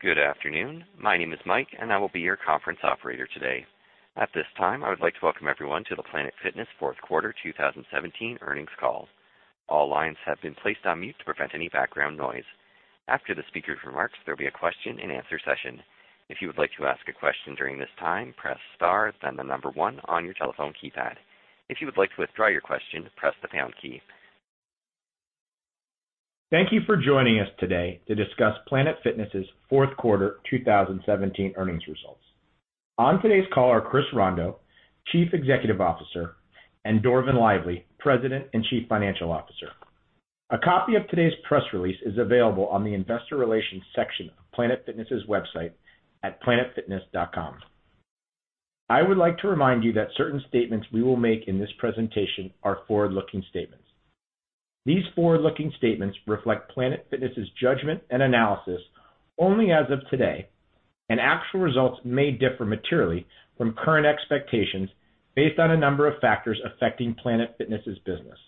Good afternoon. My name is Mike, and I will be your conference operator today. At this time, I would like to welcome everyone to the Planet Fitness fourth quarter 2017 earnings call. All lines have been placed on mute to prevent any background noise. After the speaker's remarks, there will be a question and answer session. If you would like to ask a question during this time, press star, then the number one on your telephone keypad. If you would like to withdraw your question, press the pound key. Thank you for joining us today to discuss Planet Fitness' fourth quarter 2017 earnings results. On today's call are Chris Rondeau, Chief Executive Officer, and Dorvin Lively, President and Chief Financial Officer. A copy of today's press release is available on the investor relations section of Planet Fitness' website at planetfitness.com. I would like to remind you that certain statements we will make in this presentation are forward-looking statements. These forward-looking statements reflect Planet Fitness' judgment and analysis only as of today, actual results may differ materially from current expectations based on a number of factors affecting Planet Fitness' business.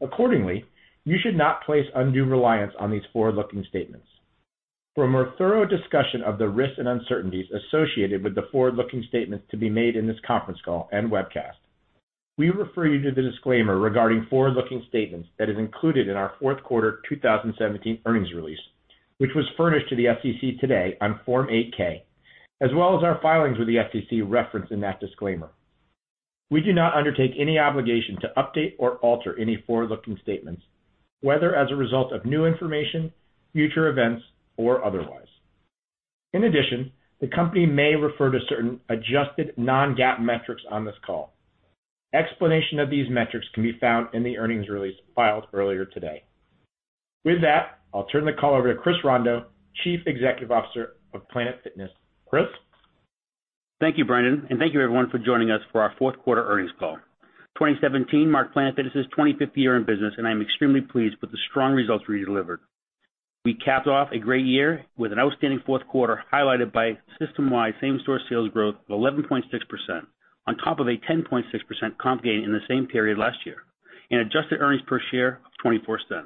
Accordingly, you should not place undue reliance on these forward-looking statements. For a more thorough discussion of the risks and uncertainties associated with the forward-looking statements to be made in this conference call and webcast, we refer you to the disclaimer regarding forward-looking statements that is included in our fourth quarter 2017 earnings release, which was furnished to the SEC today on Form 8-K, as well as our filings with the SEC referenced in that disclaimer. We do not undertake any obligation to update or alter any forward-looking statements, whether as a result of new information, future events, or otherwise. In addition, the company may refer to certain adjusted non-GAAP metrics on this call. Explanation of these metrics can be found in the earnings release filed earlier today. With that, I'll turn the call over to Chris Rondeau, Chief Executive Officer of Planet Fitness. Chris? Thank you, Brandon, and thank you everyone for joining us for our fourth quarter earnings call. 2017 marked Planet Fitness' 25th year in business, I am extremely pleased with the strong results we delivered. We capped off a great year with an outstanding fourth quarter, highlighted by system-wide same-store sales growth of 11.6%, on top of a 10.6% comp gain in the same period last year, adjusted earnings per share of $0.24,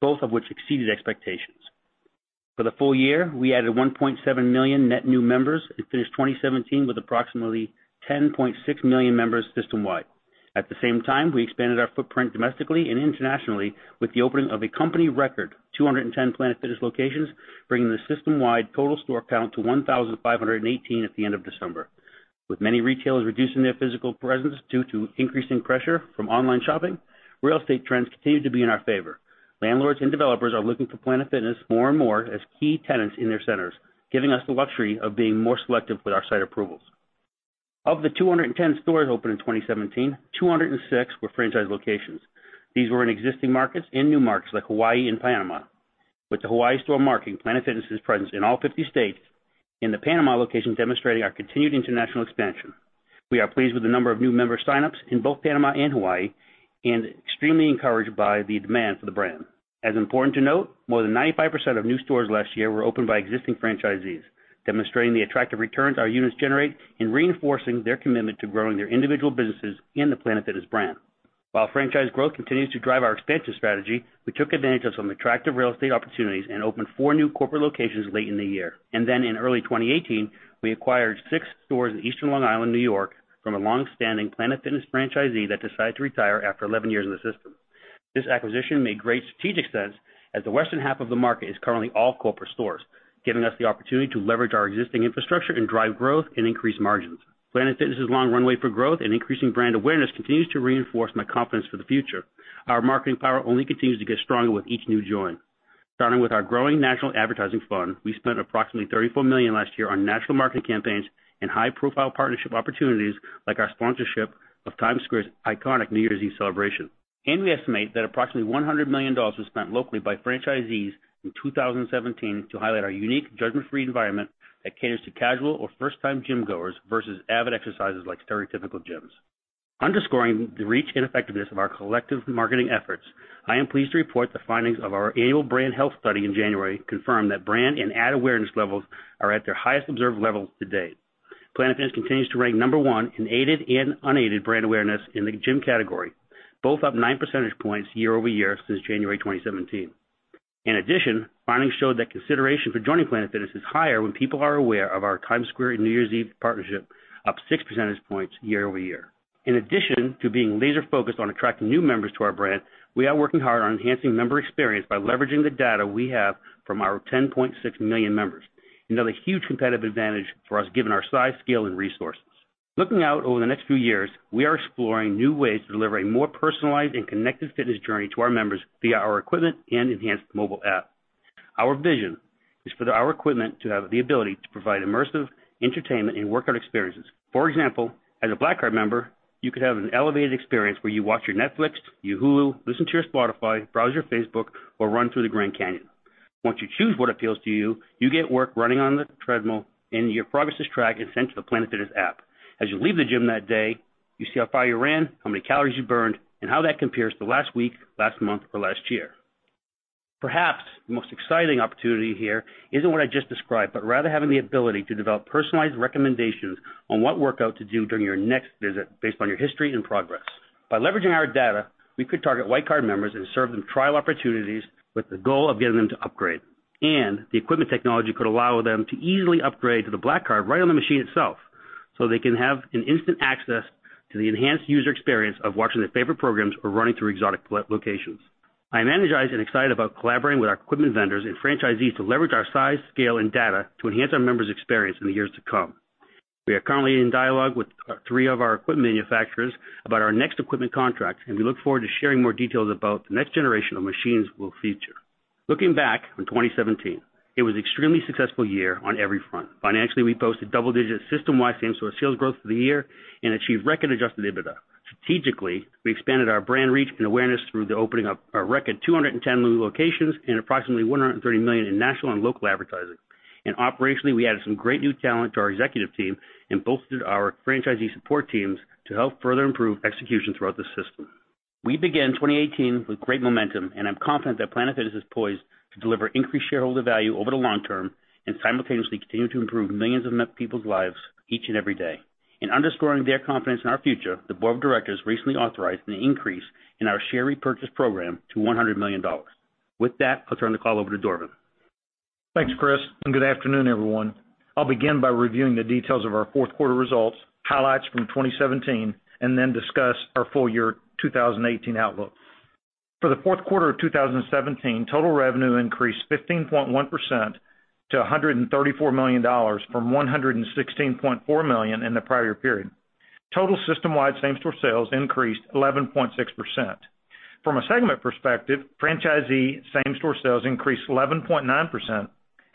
both of which exceeded expectations. For the full year, we added 1.7 million net new members and finished 2017 with approximately 10.6 million members system-wide. At the same time, we expanded our footprint domestically and internationally with the opening of a company record 210 Planet Fitness locations, bringing the system-wide total store count to 1,518 at the end of December. With many retailers reducing their physical presence due to increasing pressure from online shopping, real estate trends continue to be in our favor. Landlords and developers are looking for Planet Fitness more and more as key tenants in their centers, giving us the luxury of being more selective with our site approvals. Of the 210 stores opened in 2017, 206 were franchise locations. These were in existing markets and new markets like Hawaii and Panama, with the Hawaii store marking Planet Fitness' presence in all 50 states and the Panama location demonstrating our continued international expansion. We are pleased with the number of new member sign-ups in both Panama and Hawaii and extremely encouraged by the demand for the brand. As important to note, more than 95% of new stores last year were opened by existing franchisees, demonstrating the attractive returns our units generate in reinforcing their commitment to growing their individual businesses in the Planet Fitness brand. While franchise growth continues to drive our expansion strategy, we took advantage of some attractive real estate opportunities and opened four new corporate locations late in the year. In early 2018, we acquired six stores in Eastern Long Island, New York, from a longstanding Planet Fitness franchisee that decided to retire after 11 years in the system. This acquisition made great strategic sense as the western half of the market is currently all corporate stores, giving us the opportunity to leverage our existing infrastructure and drive growth and increase margins. Planet Fitness' long runway for growth and increasing brand awareness continues to reinforce my confidence for the future. Our marketing power only continues to get stronger with each new join. Starting with our growing National Ad Fund, we spent approximately $34 million last year on national marketing campaigns and high-profile partnership opportunities like our sponsorship of Times Square's iconic New Year's Eve celebration. We estimate that approximately $100 million was spent locally by franchisees in 2017 to highlight our unique judgment-free environment that caters to casual or first-time gym-goers versus avid exercisers like stereotypical gyms. Underscoring the reach and effectiveness of our collective marketing efforts, I am pleased to report the findings of our annual brand health study in January confirmed that brand and ad awareness levels are at their highest observed levels to date. Planet Fitness continues to rank number one in aided and unaided brand awareness in the gym category, both up nine percentage points year-over-year since January 2017. In addition, findings showed that consideration for joining Planet Fitness is higher when people are aware of our Times Square and New Year's Eve partnership, up six percentage points year-over-year. In addition to being laser-focused on attracting new members to our brand, we are working hard on enhancing member experience by leveraging the data we have from our 10.6 million members. Another huge competitive advantage for us, given our size, scale, and resources. Looking out over the next few years, we are exploring new ways to deliver a more personalized and connected fitness journey to our members via our equipment and enhanced mobile app. Our vision is for our equipment to have the ability to provide immersive entertainment and workout experiences. For example, as a Black Card member, you could have an elevated experience where you watch your Netflix, your Hulu, listen to your Spotify, browse your Facebook, or run through the Grand Canyon. Once you choose what appeals to you get work running on the treadmill and your progress is tracked and sent to the Planet Fitness app. As you leave the gym that day, you see how far you ran, how many calories you burned, and how that compares to last week, last month, or last year. Perhaps the most exciting opportunity here isn't what I just described, but rather having the ability to develop personalized recommendations on what workout to do during your next visit based on your history and progress. By leveraging our data, we could target Classic Card members and serve them trial opportunities with the goal of getting them to upgrade. The equipment technology could allow them to easily upgrade to the Black Card right on the machine itself, so they can have an instant access to the enhanced user experience of watching their favorite programs or running through exotic locations. I am energized and excited about collaborating with our equipment vendors and franchisees to leverage our size, scale, and data to enhance our members' experience in the years to come. We are currently in dialogue with three of our equipment manufacturers about our next equipment contract, and we look forward to sharing more details about the next generation of machines will feature. Looking back on 2017, it was extremely successful year on every front. Financially, we posted double-digit system-wide same-store sales growth for the year and achieved record adjusted EBITDA. Strategically, we expanded our brand reach and awareness through the opening of a record 210 new locations and approximately $130 million in national and local advertising. Operationally, we added some great new talent to our executive team and bolstered our franchisee support teams to help further improve execution throughout the system. We begin 2018 with great momentum, and I'm confident that Planet Fitness is poised to deliver increased shareholder value over the long term and simultaneously continue to improve millions of people's lives each and every day. In underscoring their confidence in our future, the board of directors recently authorized an increase in our share repurchase program to $100 million. With that, I'll turn the call over to Dorvin. Thanks, Chris, and good afternoon, everyone. I'll begin by reviewing the details of our fourth quarter results, highlights from 2017, and then discuss our full year 2018 outlook. For the fourth quarter of 2017, total revenue increased 15.1% to $134 million from $116.4 million in the prior period. Total system-wide same-store sales increased 11.6%. From a segment perspective, franchisee same-store sales increased 11.9%, and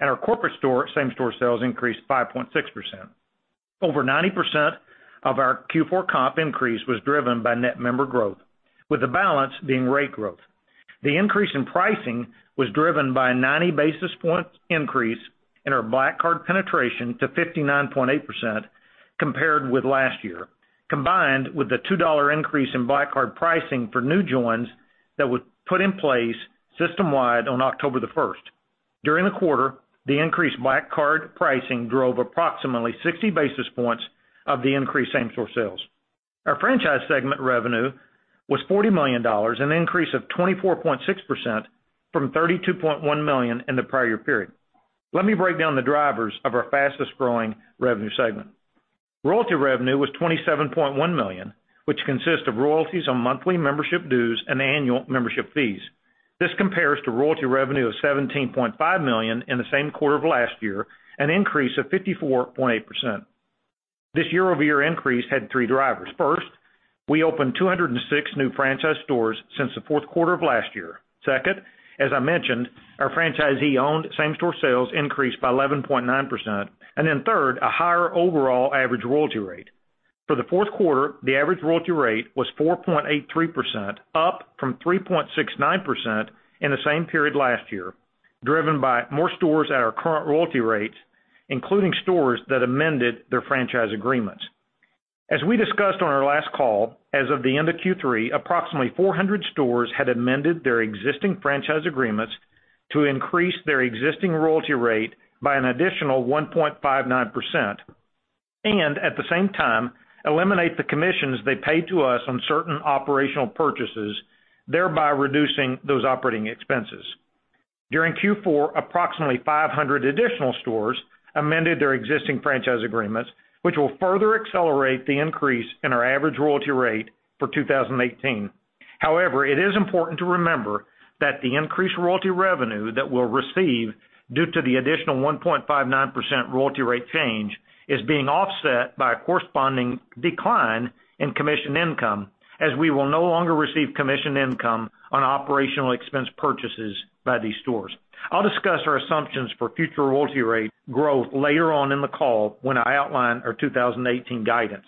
our corporate store same-store sales increased 5.6%. Over 90% of our Q4 comp increase was driven by net member growth, with the balance being rate growth. The increase in pricing was driven by a 90 basis point increase in our Black Card penetration to 59.8% compared with last year, combined with the $2 increase in Black Card pricing for new joins that was put in place system-wide on October the 1st. During the quarter, the increased Black Card pricing drove approximately 60 basis points of the increased same-store sales. Our franchise segment revenue was $40 million, an increase of 24.6% from $32.1 million in the prior year period. Let me break down the drivers of our fastest-growing revenue segment. Royalty revenue was $27.1 million, which consists of royalties on monthly membership dues and annual membership fees. This compares to royalty revenue of $17.5 million in the same quarter of last year, an increase of 54.8%. This year-over-year increase had three drivers. First, we opened 206 new franchise stores since the fourth quarter of last year. Second, as I mentioned, our franchisee-owned same-store sales increased by 11.9%. Then third, a higher overall average royalty rate. For the fourth quarter, the average royalty rate was 4.83%, up from 3.69% in the same period last year, driven by more stores at our current royalty rates, including stores that amended their franchise agreements. As we discussed on our last call, as of the end of Q3, approximately 400 stores had amended their existing franchise agreements to increase their existing royalty rate by an additional 1.59%, and at the same time, eliminate the commissions they pay to us on certain operational purchases, thereby reducing those operating expenses. During Q4, approximately 500 additional stores amended their existing franchise agreements, which will further accelerate the increase in our average royalty rate for 2018. However, it is important to remember that the increased royalty revenue that we'll receive due to the additional 1.59% royalty rate change is being offset by a corresponding decline in commission income, as we will no longer receive commission income on operational expense purchases by these stores. I'll discuss our assumptions for future royalty rate growth later on in the call when I outline our 2018 guidance.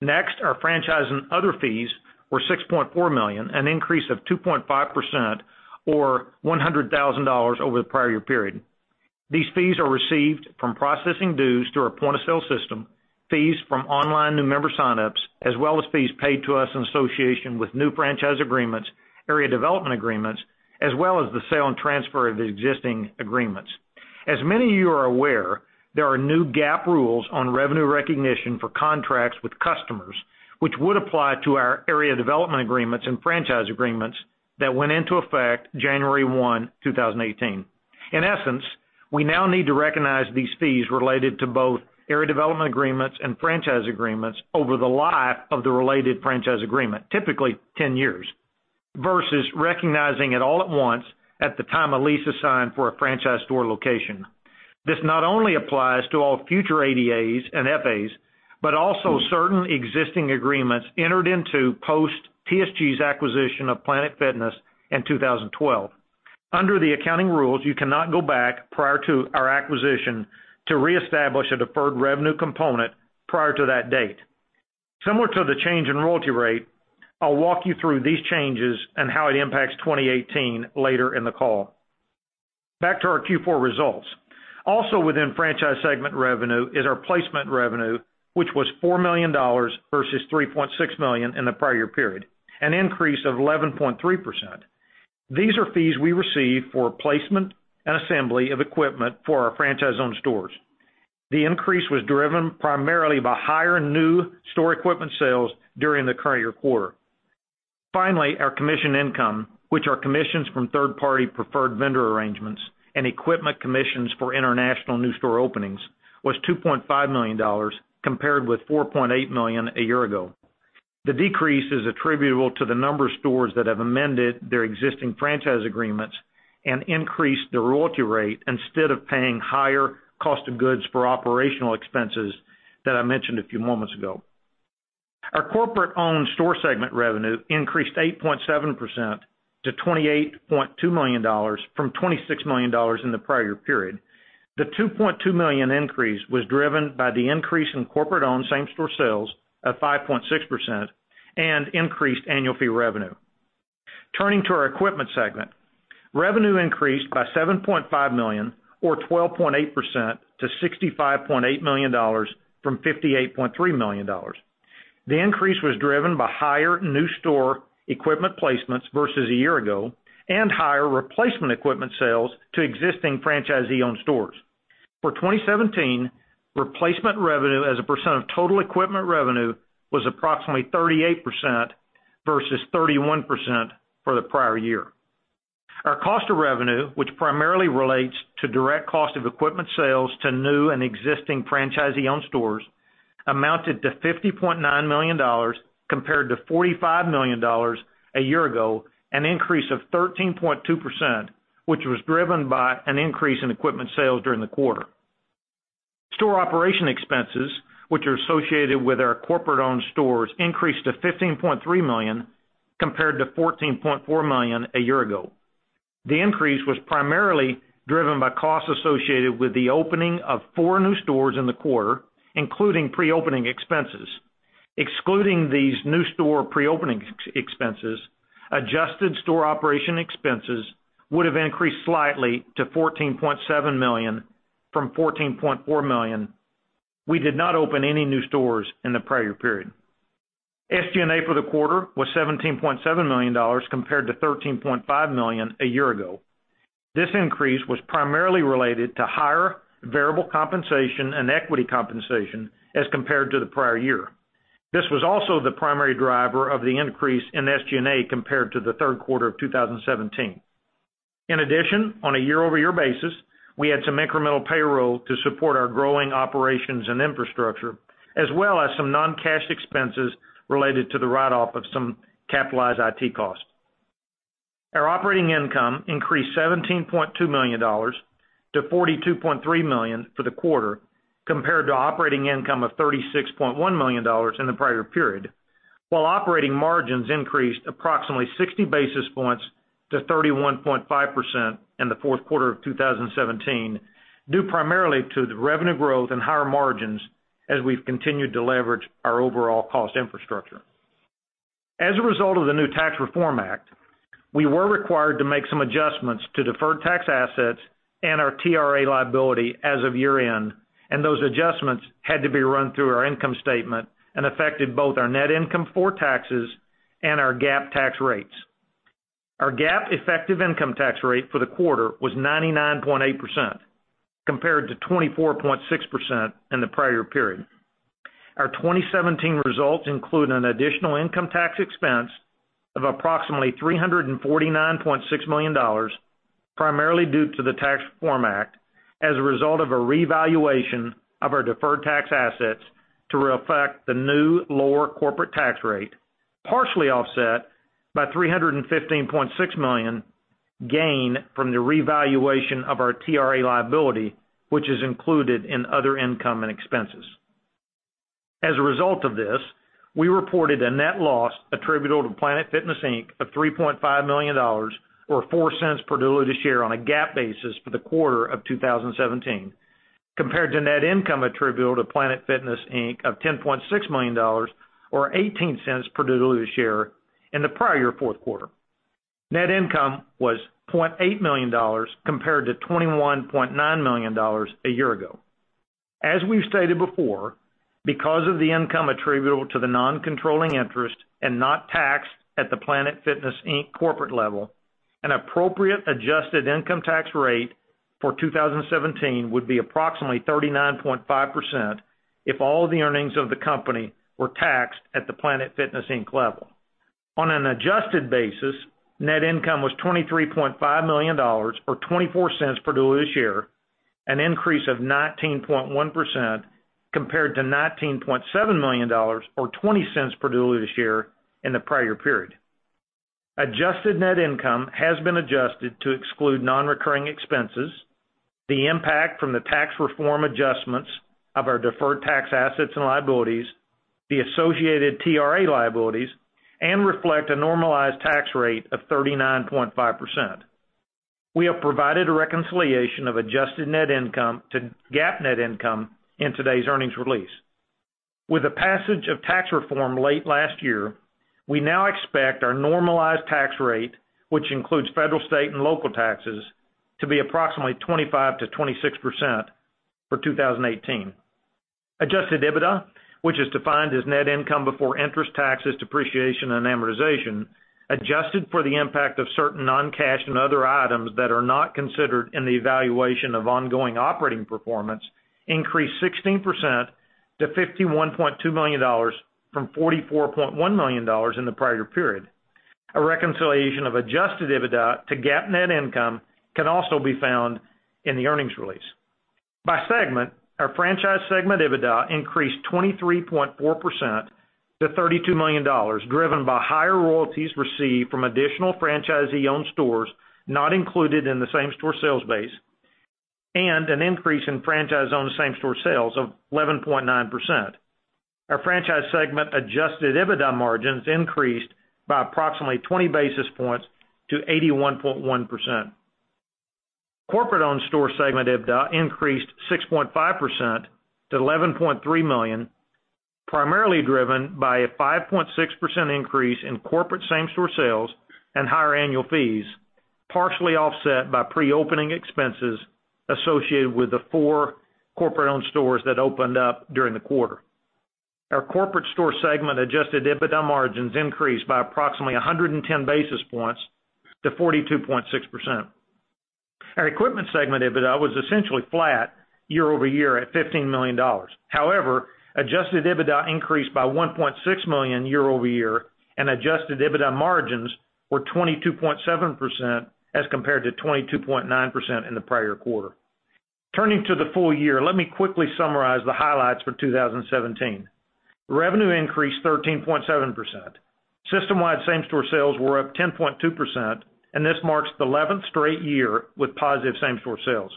Next, our franchise and other fees were $6.4 million, an increase of 2.5% or $100,000 over the prior year period. These fees are received from processing dues through our point-of-sale system, fees from online new member sign-ups, as well as fees paid to us in association with new franchise agreements, area development agreements, as well as the sale and transfer of the existing agreements. As many of you are aware, there are new GAAP rules on revenue recognition for contracts with customers, which would apply to our area development agreements and franchise agreements that went into effect January 1, 2018. In essence, we now need to recognize these fees related to both area development agreements and franchise agreements over the life of the related franchise agreement, typically 10 years, versus recognizing it all at once at the time a lease is signed for a franchise store location. This not only applies to all future ADAs and FAs, but also certain existing agreements entered into post TSG's acquisition of Planet Fitness in 2012. Under the accounting rules, you cannot go back prior to our acquisition to reestablish a deferred revenue component prior to that date. Similar to the change in royalty rate, I'll walk you through these changes and how it impacts 2018 later in the call. Back to our Q4 results. Also within franchise segment revenue is our placement revenue, which was $4 million versus $3.6 million in the prior year period, an increase of 11.3%. These are fees we receive for placement and assembly of equipment for our franchise-owned stores. The increase was driven primarily by higher new store equipment sales during the current year quarter. Finally, our commission income, which are commissions from third party preferred vendor arrangements and equipment commissions for international new store openings, was $2.5 million, compared with $4.8 million a year ago. The decrease is attributable to the number of stores that have amended their existing franchise agreements and increased the royalty rate instead of paying higher cost of goods for operational expenses that I mentioned a few moments ago. Our corporate-owned store segment revenue increased 8.7% to $28.2 million from $26 million in the prior period. The $2.2 million increase was driven by the increase in corporate-owned same-store sales of 5.6% and increased annual fee revenue. Turning to our equipment segment. Revenue increased by $7.5 million or 12.8% to $65.8 million from $58.3 million. The increase was driven by higher new store equipment placements versus a year ago, and higher replacement equipment sales to existing franchisee-owned stores. For 2017, replacement revenue as a percent of total equipment revenue was approximately 38% versus 31% for the prior year. Our cost of revenue, which primarily relates to direct cost of equipment sales to new and existing franchisee-owned stores, amounted to $50.9 million, compared to $45 million a year ago, an increase of 13.2%, which was driven by an increase in equipment sales during the quarter. Store operation expenses, which are associated with our corporate-owned stores, increased to $15.3 million, compared to $14.4 million a year ago. The increase was primarily driven by costs associated with the opening of four new stores in the quarter, including pre-opening expenses. Excluding these new store pre-opening expenses, adjusted store operation expenses would have increased slightly to $14.7 million from $14.4 million. We did not open any new stores in the prior period. SG&A for the quarter was $17.7 million compared to $13.5 million a year ago. This increase was primarily related to higher variable compensation and equity compensation as compared to the prior year. This was also the primary driver of the increase in SG&A compared to the third quarter of 2017. In addition, on a year-over-year basis, we had some incremental payroll to support our growing operations and infrastructure, as well as some non-cash expenses related to the write-off of some capitalized IT costs. Our operating income increased $17.2 million to $42.3 million for the quarter, compared to operating income of $36.1 million in the prior period. While operating margins increased approximately 60 basis points to 31.5% in the fourth quarter of 2017, due primarily to the revenue growth and higher margins as we've continued to leverage our overall cost infrastructure. As a result of the new Tax Reform Act, we were required to make some adjustments to deferred tax assets and our TRA liability as of year-end. Those adjustments had to be run through our income statement and affected both our net income for taxes and our GAAP tax rates. Our GAAP effective income tax rate for the quarter was 99.8%, compared to 24.6% in the prior period. Our 2017 results include an additional income tax expense of approximately $349.6 million, primarily due to the Tax Reform Act as a result of a revaluation of our deferred tax assets to reflect the new lower corporate tax rate, partially offset by $315.6 million gain from the revaluation of our TRA liability, which is included in other income and expenses. As a result of this, we reported a net loss attributable to Planet Fitness Inc. of $3.5 million, or $0.04 per diluted share on a GAAP basis for the quarter of 2017, compared to net income attributable to Planet Fitness Inc. of $10.6 million or $0.18 per diluted share in the prior year fourth quarter. Net income was $0.8 million compared to $21.9 million a year ago. As we've stated before, because of the income attributable to the non-controlling interest and not taxed at the Planet Fitness Inc. corporate level, an appropriate adjusted income tax rate for 2017 would be approximately 39.5% if all the earnings of the company were taxed at the Planet Fitness Inc. level. On an adjusted basis, net income was $23.5 million, or $0.24 per diluted share, an increase of 19.1% compared to $19.7 million or $0.20 per diluted share in the prior period. Adjusted net income has been adjusted to exclude non-recurring expenses, the impact from the tax reform adjustments of our deferred tax assets and liabilities, the associated TRA liabilities, and reflect a normalized tax rate of 39.5%. We have provided a reconciliation of adjusted net income to GAAP net income in today's earnings release. With the passage of tax reform late last year, we now expect our normalized tax rate, which includes federal, state, and local taxes, to be approximately 25%-26% for 2018. Adjusted EBITDA, which is defined as net income before interest, taxes, depreciation, and amortization, adjusted for the impact of certain non-cash and other items that are not considered in the evaluation of ongoing operating performance, increased 16% to $51.2 million from $44.1 million in the prior period. A reconciliation of adjusted EBITDA to GAAP net income can also be found in the earnings release. By segment, our franchise segment EBITDA increased 23.4% to $32 million, driven by higher royalties received from additional franchisee-owned stores not included in the same-store sales base, and an increase in franchise-owned same-store sales of 11.9%. Our franchise segment adjusted EBITDA margins increased by approximately 20 basis points to 81.1%. Corporate-owned store segment EBITDA increased 6.5% to $11.3 million, primarily driven by a 5.6% increase in corporate same-store sales and higher annual fees, partially offset by pre-opening expenses associated with the four corporate-owned stores that opened up during the quarter. Our corporate store segment adjusted EBITDA margins increased by approximately 110 basis points to 42.6%. Our equipment segment EBITDA was essentially flat year-over-year at $15 million. Adjusted EBITDA increased by $1.6 million year-over-year, and adjusted EBITDA margins were 22.7% as compared to 22.9% in the prior quarter. Turning to the full year, let me quickly summarize the highlights for 2017. Revenue increased 13.7%. System-wide same-store sales were up 10.2%, and this marks the 11th straight year with positive same-store sales.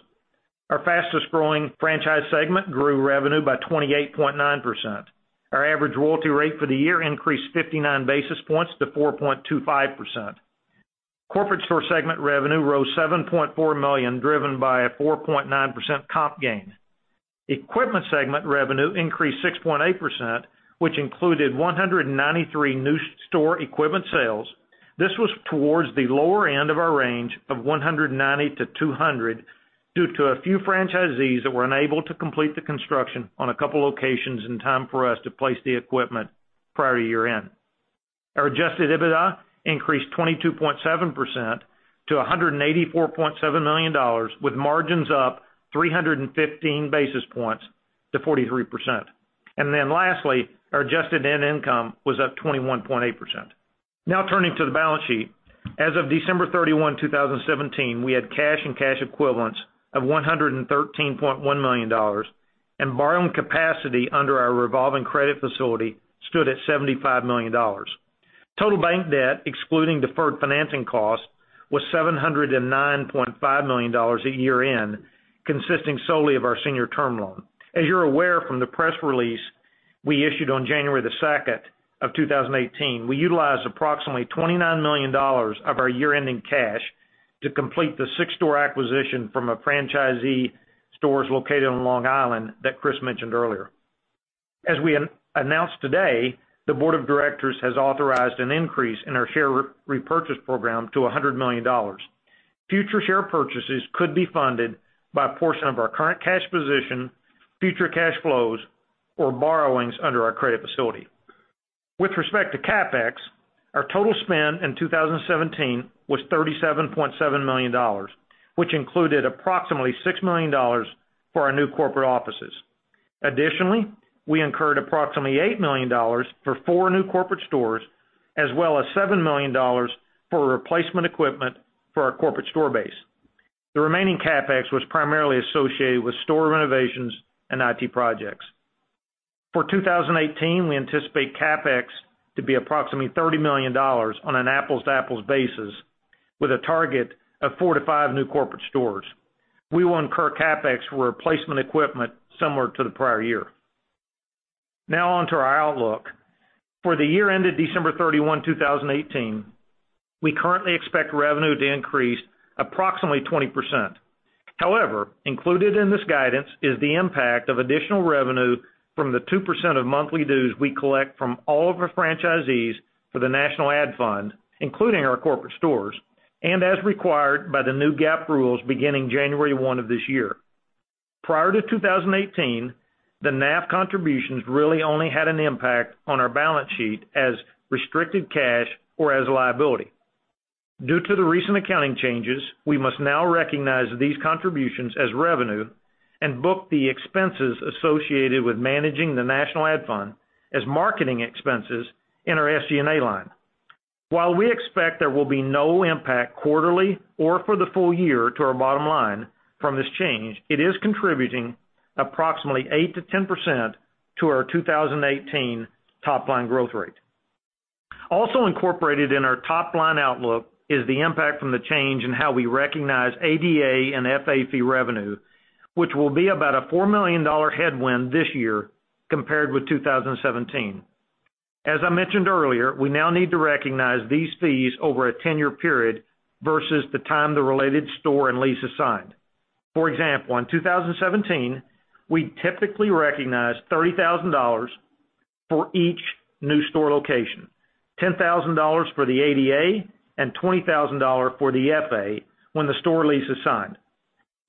Our fastest-growing franchise segment grew revenue by 28.9%. Our average royalty rate for the year increased 59 basis points to 4.25%. Corporate store segment revenue rose $7.4 million, driven by a 4.9% comp gain. Equipment segment revenue increased 6.8%, which included 193 new store equipment sales. This was towards the lower end of our range of 190 to 200, due to a few franchisees that were unable to complete the construction on a couple locations in time for us to place the equipment prior to year-end. Our adjusted EBITDA increased 22.7% to $184.7 million, with margins up 315 basis points to 43%. Lastly, our adjusted net income was up 21.8%. Now turning to the balance sheet. As of December 31, 2017, we had cash and cash equivalents of $113.1 million, and borrowing capacity under our revolving credit facility stood at $75 million. Total bank debt, excluding deferred financing costs, was $709.5 million at year-end, consisting solely of our senior term loan. As you're aware from the press release we issued on January the 2nd of 2018, we utilized approximately $29 million of our year-ending cash to complete the six-store acquisition from a franchisee, stores located on Long Island, that Chris mentioned earlier. As we announced today, the board of directors has authorized an increase in our share repurchase program to $100 million. Future share purchases could be funded by a portion of our current cash position, future cash flows, or borrowings under our credit facility. With respect to CapEx, our total spend in 2017 was $37.7 million, which included approximately $6 million for our new corporate offices. Additionally, we incurred approximately $8 million for four new corporate stores, as well as $7 million for replacement equipment for our corporate store base. The remaining CapEx was primarily associated with store renovations and IT projects. For 2018, we anticipate CapEx to be approximately $30 million on an apples-to-apples basis with a target of four to five new corporate stores. We will incur CapEx for replacement equipment similar to the prior year. Now on to our outlook. For the year ended December 31, 2018, we currently expect revenue to increase approximately 20%. However, included in this guidance is the impact of additional revenue from the 2% of monthly dues we collect from all of our franchisees for the National Ad Fund, including our corporate stores, and as required by the new GAAP rules beginning January 1 of this year. Prior to 2018, the NAF contributions really only had an impact on our balance sheet as restricted cash or as a liability. Due to the recent accounting changes, we must now recognize these contributions as revenue and book the expenses associated with managing the National Ad Fund as marketing expenses in our SG&A line. While we expect there will be no impact quarterly or for the full year to our bottom line from this change, it is contributing approximately 8%-10% to our 2018 top-line growth rate. Incorporated in our top-line outlook is the impact from the change in how we recognize ADA and FA fee revenue, which will be about a $4 million headwind this year compared with 2017. As I mentioned earlier, we now need to recognize these fees over a 10-year period versus the time the related store and lease is signed. For example, in 2017, we typically recognized $30,000 for each new store location, $10,000 for the ADA and $20,000 for the FA when the store lease is signed.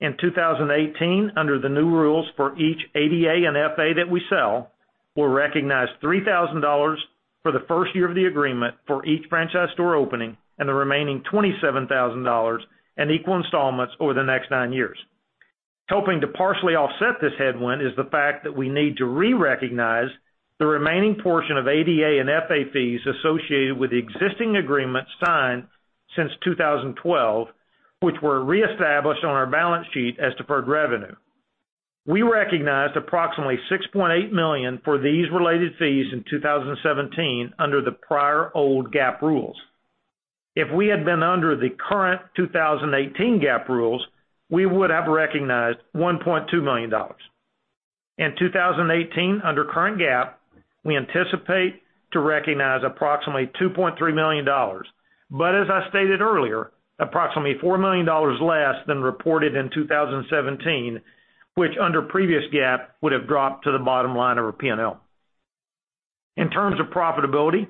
In 2018, under the new rules for each ADA and FA that we sell, we'll recognize $3,000 for the first year of the agreement for each franchise store opening and the remaining $27,000 in equal installments over the next nine years. Helping to partially offset this headwind is the fact that we need to re-recognize the remaining portion of ADA and FA fees associated with the existing agreements signed since 2012, which were reestablished on our balance sheet as deferred revenue. We recognized approximately $6.8 million for these related fees in 2017 under the prior old GAAP rules. If we had been under the current 2018 GAAP rules, we would have recognized $1.2 million. In 2018, under current GAAP, we anticipate to recognize approximately $2.3 million. As I stated earlier, approximately $4 million less than reported in 2017, which under previous GAAP, would've dropped to the bottom line of our P&L. In terms of profitability,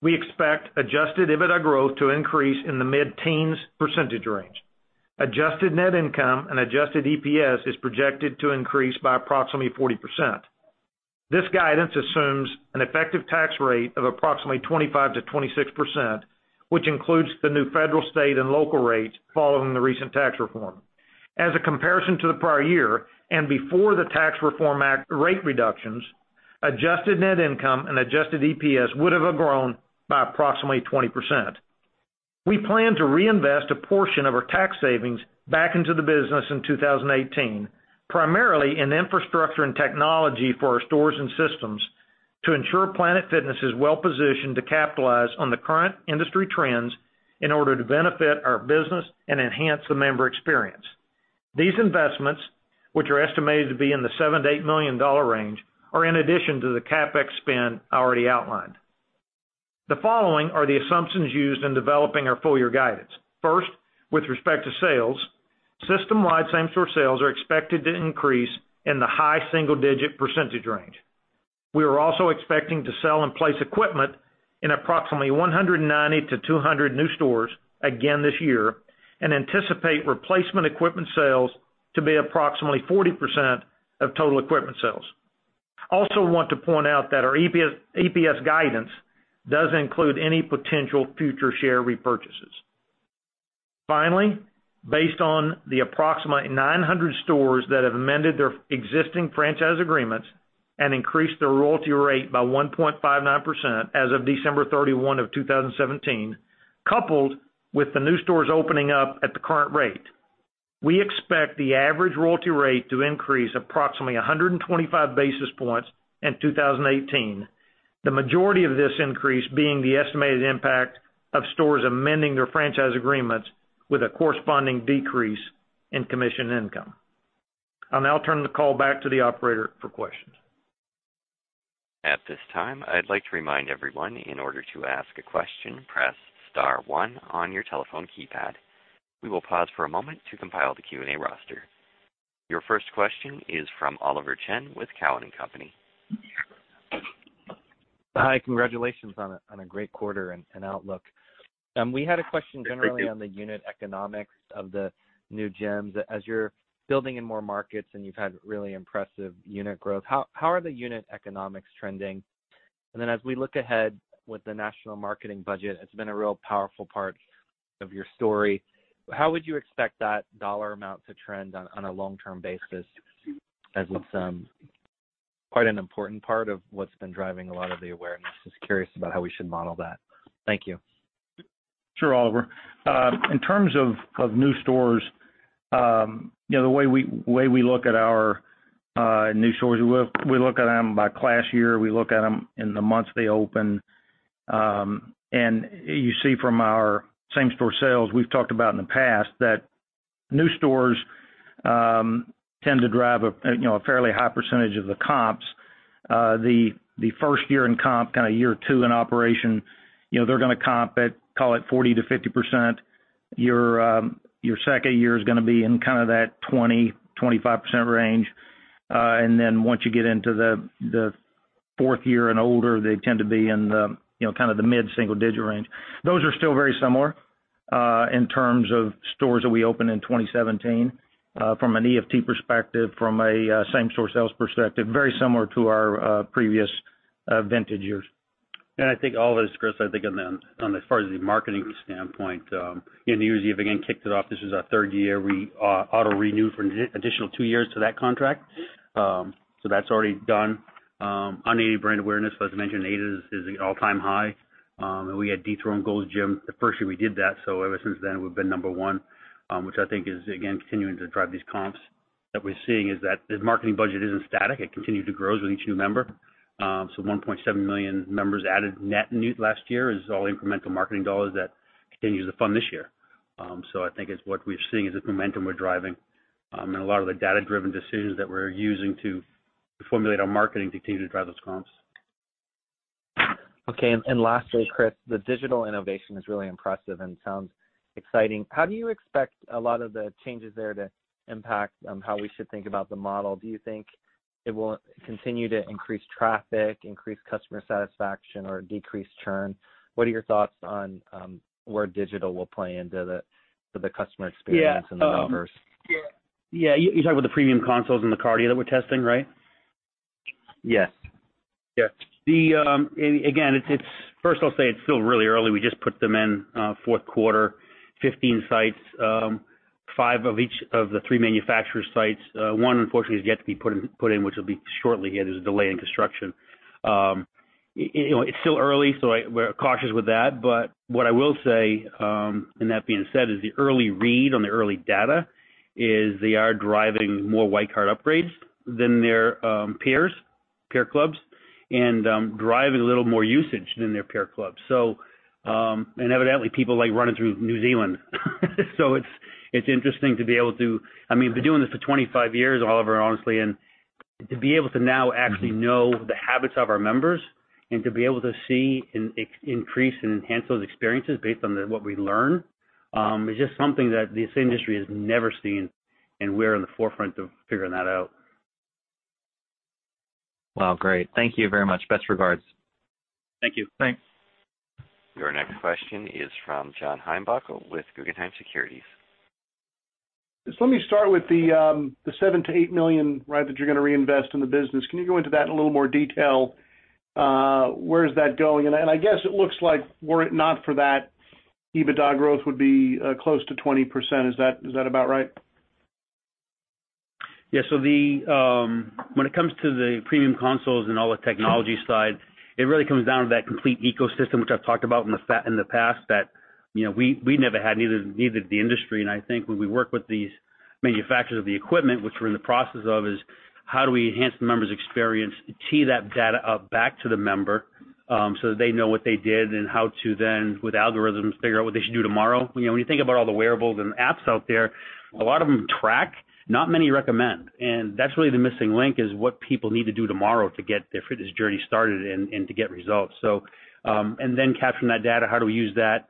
we expect adjusted EBITDA growth to increase in the mid-teens percentage range. Adjusted net income and adjusted EPS is projected to increase by approximately 40%. This guidance assumes an effective tax rate of approximately 25%-26%, which includes the new federal, state, and local rates following the recent tax reform. As a comparison to the prior year and before the Tax Reform Act rate reductions, adjusted net income and adjusted EPS would've grown by approximately 20%. We plan to reinvest a portion of our tax savings back into the business in 2018, primarily in infrastructure and technology for our stores and systems to ensure Planet Fitness is well-positioned to capitalize on the current industry trends in order to benefit our business and enhance the member experience. These investments, which are estimated to be in the $7 million-$8 million range, are in addition to the CapEx spend already outlined. The following are the assumptions used in developing our full-year guidance. First, with respect to sales, system-wide same-store sales are expected to increase in the high single-digit percentage range. We are also expecting to sell and place equipment in approximately 190-200 new stores again this year and anticipate replacement equipment sales to be approximately 40% of total equipment sales. Want to point out that our EPS guidance doesn't include any potential future share repurchases. Finally, based on the approximately 900 stores that have amended their existing franchise agreements and increased their royalty rate by 1.59% as of December 31 of 2017, coupled with the new stores opening up at the current rate, we expect the average royalty rate to increase approximately 125 basis points in 2018. The majority of this increase being the estimated impact of stores amending their franchise agreements with a corresponding decrease in commission income. I'll now turn the call back to the operator for questions. At this time, I'd like to remind everyone, in order to ask a question, press *1 on your telephone keypad. We will pause for a moment to compile the Q&A roster. Your first question is from Oliver Chen with Cowen and Company. Hi. Congratulations on a great quarter and outlook. We had a question generally on the unit economics of the new gyms. As you're building in more markets and you've had really impressive unit growth, how are the unit economics trending? As we look ahead with the national marketing budget, it's been a real powerful part of your story, how would you expect that dollar amount to trend on a long-term basis, as it's quite an important part of what's been driving a lot of the awareness. Just curious about how we should model that. Thank you. Sure, Oliver. In terms of new stores, the way we look at our new stores, we look at them by class year. We look at them in the months they open. You see from our same-store sales, we've talked about in the past that new stores tend to drive a fairly high percentage of the comps. The first year in comp, year two in operation, they're going to comp at, call it 40%-50%. Your second year is going to be in that 20%-25% range. Once you get into the fourth year and older, they tend to be in the mid-single digit range. Those are still very similar in terms of stores that we opened in 2017. From an EFT perspective, from a same-store sales perspective, very similar to our previous vintage years. I think, Oliver, as Chris said, I think on the, as far as the marketing standpoint, in the U.S., you have again kicked it off. This is our third year. We auto-renewed for an additional 2 years to that contract. That's already done. On aided brand awareness, as mentioned, ADA is at an all-time high. We had dethroned Gold's Gym the first year we did that, so ever since then, we've been number 1, which I think is, again, continuing to drive these comps that we're seeing is that the marketing budget isn't static. It continues to grow with each new member. 1.7 million members added net new last year is all incremental marketing dollars that continue to fund this year. I think it's what we're seeing is the momentum we're driving, and a lot of the data-driven decisions that we're using to formulate our marketing to continue to drive those comps. Okay. Lastly, Chris, the digital innovation is really impressive and sounds exciting. How do you expect a lot of the changes there to impact how we should think about the model? Do you think it will continue to increase traffic, increase customer satisfaction, or decrease churn? What are your thoughts on where digital will play into the customer experience. Yeah The members? Yeah. You're talking about the premium consoles and the cardio that we're testing, right? Yes. Yeah. Again, first I'll say it's still really early. We just put them in Q4, 15 sites, five of each of the three manufacturer sites. One, unfortunately, has yet to be put in, which will be shortly here. There's a delay in construction. It's still early, so we're cautious with that. What I will say, and that being said, is the early read on the early data is they are driving more Classic Card upgrades than their peer clubs and driving a little more usage than their peer clubs. Evidently, people like running through New Zealand. I've been doing this for 25 years, Oliver, honestly, and to be able to now actually know the habits of our members and to be able to see an increase and enhance those experiences based on what we learn, is just something that this industry has never seen, and we're in the forefront of figuring that out. Wow, great. Thank you very much. Best regards. Thank you. Thanks. Your next question is from John Heinbockel with Guggenheim Securities. Let me start with the $7 million to $8 million that you're going to reinvest in the business. Can you go into that in a little more detail? Where is that going? I guess it looks like were it not for that, EBITDA growth would be close to 20%. Is that about right? Yeah. When it comes to the premium consoles and all the technology side, it really comes down to that complete ecosystem, which I've talked about in the past, that we never had, neither did the industry. I think when we work with these manufacturers of the equipment, which we're in the process of, is how do we enhance the member's experience to tee that data up back to the member, so that they know what they did and how to then, with algorithms, figure out what they should do tomorrow. When you think about all the wearables and apps out there, a lot of them track, not many recommend. That's really the missing link, is what people need to do tomorrow to get their fitness journey started and to get results. Capturing that data, how do we use that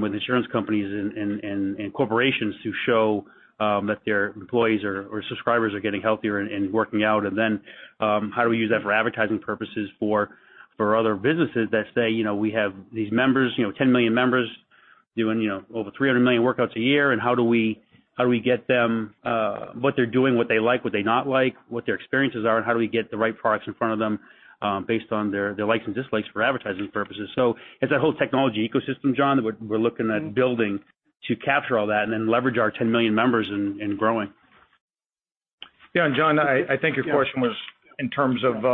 with insurance companies and corporations to show that their employees or subscribers are getting healthier and working out? How do we use that for advertising purposes for other businesses that say, we have these members, 10 million members doing over 300 million workouts a year, and how do we get them what they're doing, what they like, what they not like, what their experiences are, and how do we get the right products in front of them, based on their likes and dislikes for advertising purposes? It's that whole technology ecosystem, John, that we're looking at building to capture all that and then leverage our 10 million members and growing. Yeah. John, I think your question was in terms of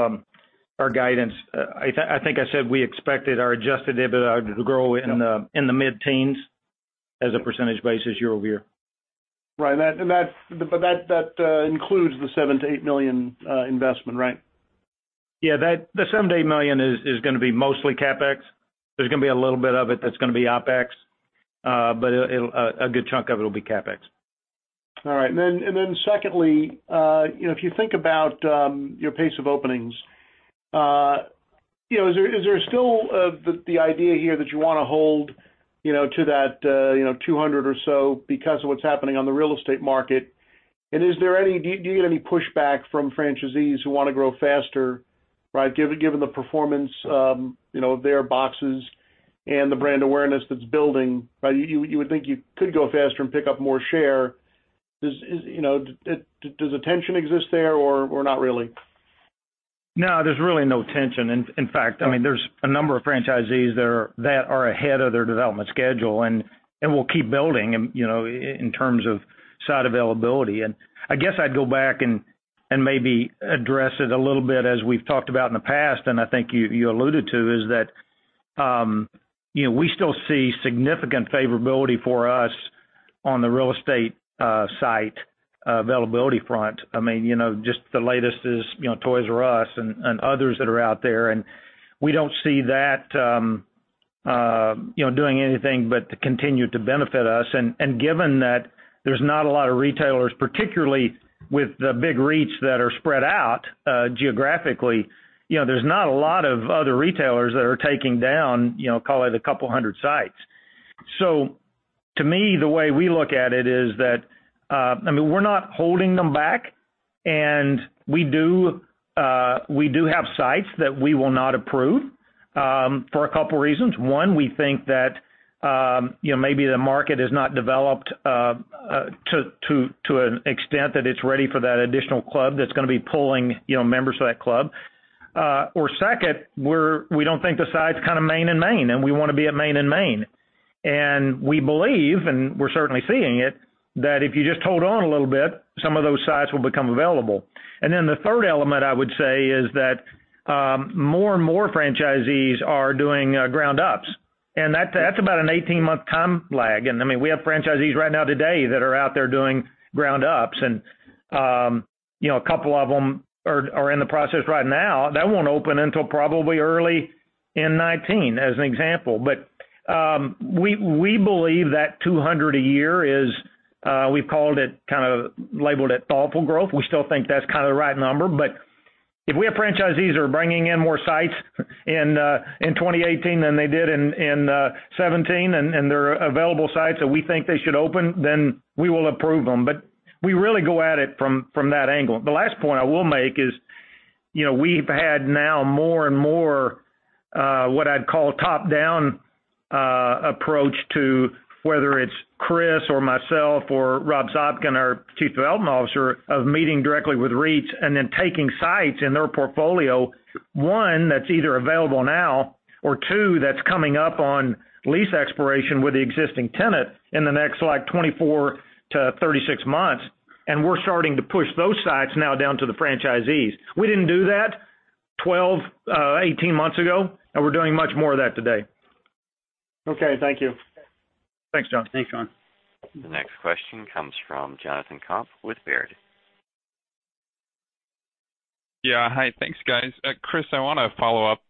our guidance. I think I said we expected our adjusted EBITDA to grow in the mid-teens as a percentage basis year-over-year. Right. That includes the $7 million-$8 million investment, right? Yeah. The $7 million-$8 million is going to be mostly CapEx. There's going to be a little bit of it that's going to be OpEx. A good chunk of it will be CapEx. All right. Secondly, if you think about your pace of openings, is there still the idea here that you want to hold to that 200 or so because of what's happening on the real estate market? Do you get any pushback from franchisees who want to grow faster, right? Given the performance of their boxes and the brand awareness that's building, you would think you could go faster and pick up more share. Does a tension exist there or not really? No, there's really no tension. In fact, there's a number of franchisees that are ahead of their development schedule, and we'll keep building in terms of site availability. I guess I'd go back and maybe address it a little bit as we've talked about in the past, and I think you alluded to, is that we still see significant favorability for us on the real estate site availability front. Just the latest is Toys R Us and others that are out there, and we don't see that doing anything but to continue to benefit us. Given that there's not a lot of retailers, particularly with the big REITs that are spread out geographically, there's not a lot of other retailers that are taking down call it a couple hundred sites. To me, the way we look at it is that we're not holding them back. We do have sites that we will not approve for a couple reasons. One, we think that maybe the market is not developed to an extent that it's ready for that additional club that's going to be pulling members to that club. Second, we don't think the site's kind of main and main, and we want to be at main and main. We believe, and we're certainly seeing it, that if you just hold on a little bit, some of those sites will become available. Then the third element I would say, is that more and more franchisees are doing ground ups, and that's about an 18-month time lag. We have franchisees right now today that are out there doing ground ups. A couple of them are in the process right now. That won't open until probably early in 2019, as an example. We believe that 200 a year. We've called it, kind of labeled it thoughtful growth. We still think that's kind of the right number. If we have franchisees who are bringing in more sites in 2018 than they did in 2017, They are available sites that we think they should open. We will approve them. We really go at it from that angle. The last point I will make is, we've had now more and more, what I'd call top-down approach to whether it's Chris or myself or Rob Sopkin, our Chief Development Officer, of meeting directly with REITs and then taking sites in their portfolio, one, that's either available now, or two, that's coming up on lease expiration with the existing tenant in the next 24 to 36 months, and we're starting to push those sites now down to the franchisees. We didn't do that 12, 18 months ago, and we're doing much more of that today. Okay. Thank you. Thanks, John. Thanks, John. The next question comes from Jonathan Komp with Baird. Yeah. Hi. Thanks, guys. Chris, I want to follow up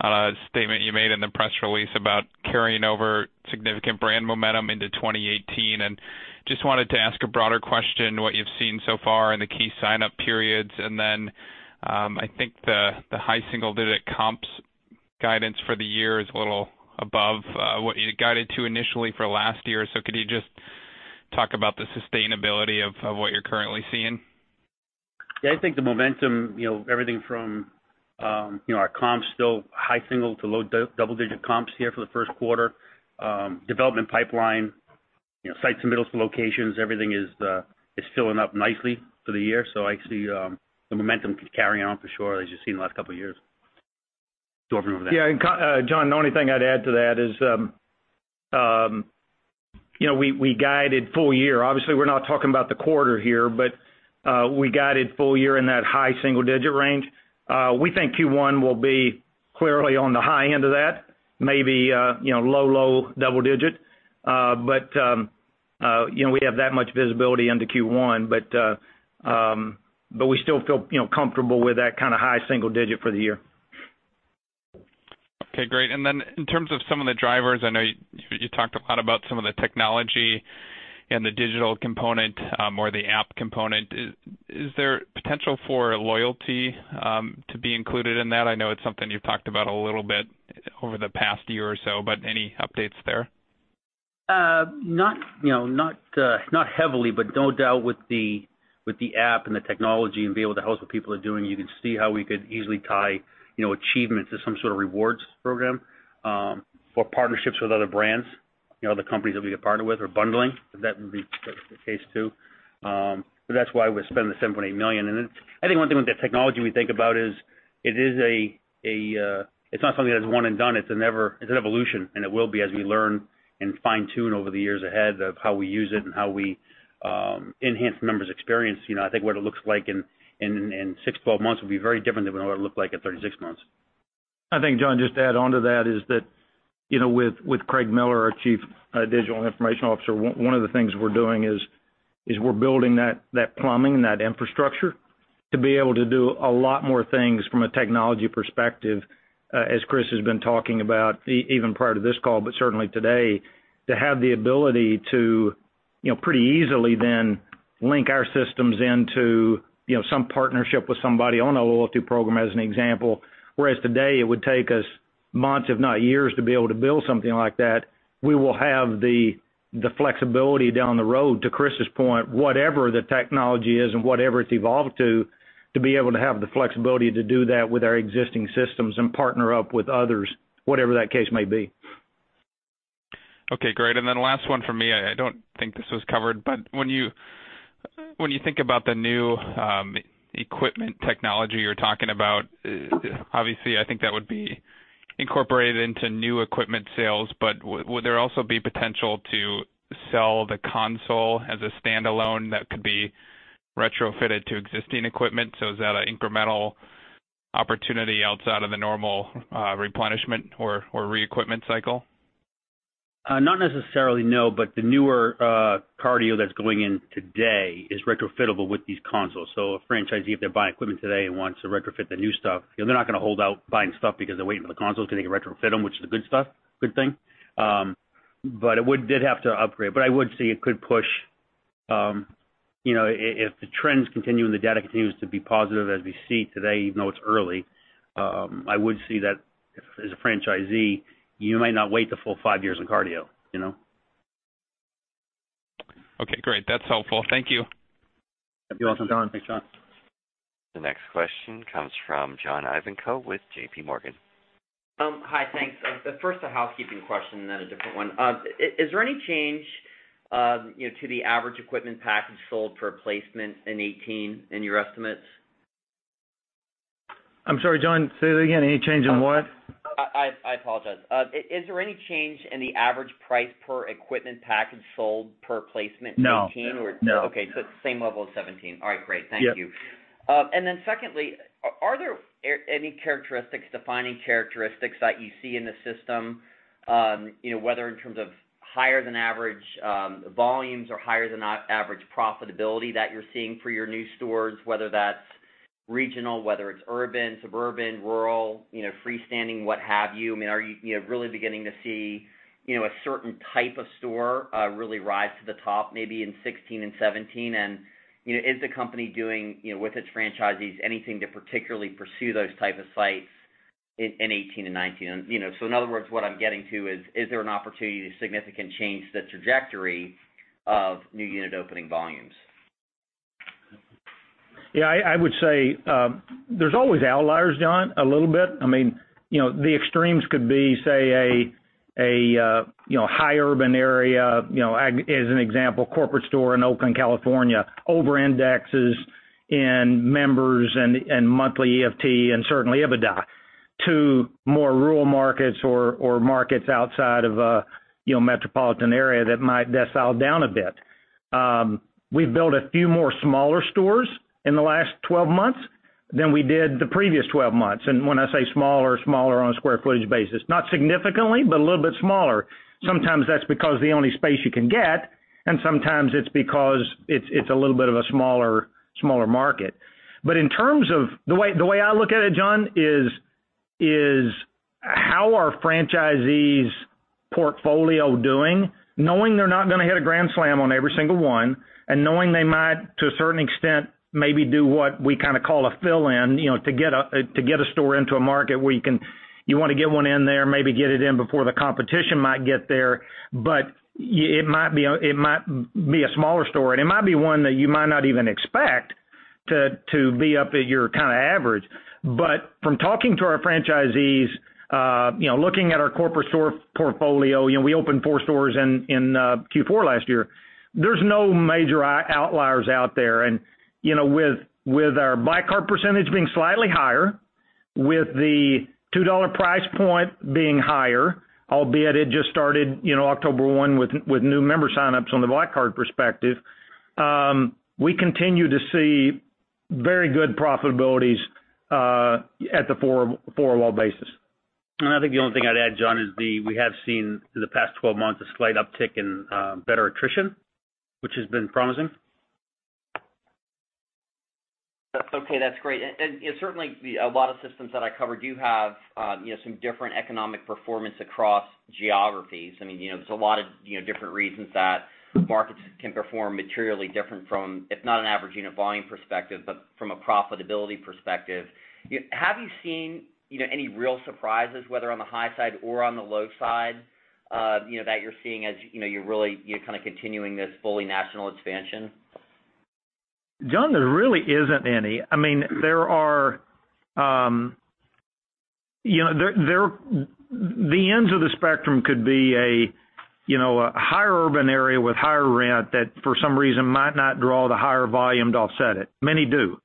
on a statement you made in the press release about carrying over significant brand momentum into 2018, just wanted to ask a broader question, what you've seen so far in the key signup periods. I think the high single-digit comps guidance for the year is a little above what you guided to initially for last year. Could you just talk about the sustainability of what you're currently seeing? Yeah. I think the momentum, everything from our comps, still high single to low double-digit comps here for the first quarter. Development pipeline, uncertain to locations, everything is filling up nicely for the year. I see the momentum carrying on for sure as you've seen in the last couple of years. Do you want to bring it over there? Yeah. John, the only thing I'd add to that is, we guided full year. Obviously, we're not talking about the quarter here, but we guided full year in that high single digit range. We think Q1 will be clearly on the high end of that, maybe low double digit. We have that much visibility into Q1, we still feel comfortable with that kind of high single digit for the year. Okay, great. Then in terms of some of the drivers, I know you talked a lot about some of the technology and the digital component, more the app component. Is there potential for loyalty to be included in that? I know it's something you've talked about a little bit over the past year or so, but any updates there? Not heavily, but no doubt with the app and the technology and being able to house what people are doing, you can see how we could easily tie achievements to some sort of rewards program, or partnerships with other brands. Other companies that we get partnered with are bundling. That would be the case too. But that's why we're spending the $7.8 million. Then I think one thing with the technology we think about is, it's not something that's one and done. It's an evolution, and it will be as we learn and fine-tune over the years ahead of how we use it and how we enhance the members' experience. I think what it looks like in six, 12 months will be very different than what it'll look like at 36 months. I think, John, just to add onto that is that, with Craig Miller, our Chief Digital & Information Officer, one of the things we're doing is we're building that plumbing and that infrastructure to be able to do a lot more things from a technology perspective, as Chris has been talking about, even prior to this call, but certainly today. To have the ability to pretty easily then link our systems into some partnership with somebody on a loyalty program, as an example. Whereas today, it would take us months, if not years, to be able to build something like that. We will have the flexibility down the road, to Chris's point, whatever the technology is and whatever it's evolved to be able to have the flexibility to do that with our existing systems and partner up with others, whatever that case may be. Okay, great. Then last one from me. I don't think this was covered, but when you think about the new equipment technology you're talking about, obviously, I think that would be incorporated into new equipment sales, but would there also be potential to sell the console as a standalone that could be retrofitted to existing equipment? Is that an incremental opportunity outside of the normal replenishment or reequipment cycle? Not necessarily, no. The newer cardio that's going in today is retrofittable with these consoles. A franchisee, if they're buying equipment today and wants to retrofit the new stuff, they're not going to hold out buying stuff because they're waiting for the consoles because they can retrofit them, which is a good thing. It would did have to upgrade. I would say it could push, if the trends continue and the data continues to be positive as we see today, even though it's early, I would see that as a franchisee, you might not wait the full five years on cardio. Okay, great. That's helpful. Thank you. You're welcome, John. Thanks, John. The next question comes from John Ivankoe with JPMorgan. Hi, thanks. First, a housekeeping question, then a different one. Is there any change to the average equipment package sold per placement in 2018 in your estimates? I'm sorry, John. Say that again. Any change in what? I apologize. Is there any change in the average price per equipment package sold per placement in 2018? No. Okay. It's the same level as 2017. All right, great. Thank you. Yeah. Secondly, are there any defining characteristics that you see in the system, whether in terms of higher than average volumes or higher than average profitability that you're seeing for your new stores, Regional, whether it's urban, suburban, rural, freestanding, what have you. Are you really beginning to see a certain type of store really rise to the top, maybe in 2016 and 2017? Is the company doing, with its franchisees, anything to particularly pursue those type of sites in 2018 and 2019? In other words, what I'm getting to is there an opportunity to significantly change the trajectory of new unit opening volumes? Yeah. I would say, there's always outliers, John, a little bit. The extremes could be, say, a high urban area. As an example, a corporate store in Oakland, California, over-indexes in members and monthly EFT, and certainly EBITDA, to more rural markets or markets outside of a metropolitan area that dial down a bit. We've built a few more smaller stores in the last 12 months than we did the previous 12 months. When I say smaller on a square footage basis, not significantly, but a little bit smaller. Sometimes that's because the only space you can get, and sometimes it's because it's a little bit of a smaller market. The way I look at it, John, is how are franchisees' portfolio doing, knowing they're not going to hit a grand slam on every single one, and knowing they might, to a certain extent, maybe do what we call a fill-in, to get a store into a market where you want to get one in there, maybe get it in before the competition might get there, but it might be a smaller store. It might be one that you might not even expect to be up at your average. From talking to our franchisees, looking at our corporate store portfolio, we opened four stores in Q4 last year. There's no major outliers out there. With our Black Card percentage being slightly higher, with the $2 price point being higher, albeit it just started October 1 with new member sign-ups on the Black Card perspective, we continue to see very good profitabilities at the four-wall basis. I think the only thing I'd add, John, is we have seen, in the past 12 months, a slight uptick in better attrition, which has been promising. That's okay. That's great. Certainly, a lot of systems that I cover do have some different economic performance across geographies. There's a lot of different reasons that markets can perform materially different from, if not an average unit volume perspective, but from a profitability perspective. Have you seen any real surprises, whether on the high side or on the low side, that you're seeing as you're continuing this fully national expansion? John, there really isn't any. The ends of the spectrum could be a higher urban area with higher rent that, for some reason, might not draw the higher volume to offset it. Many do.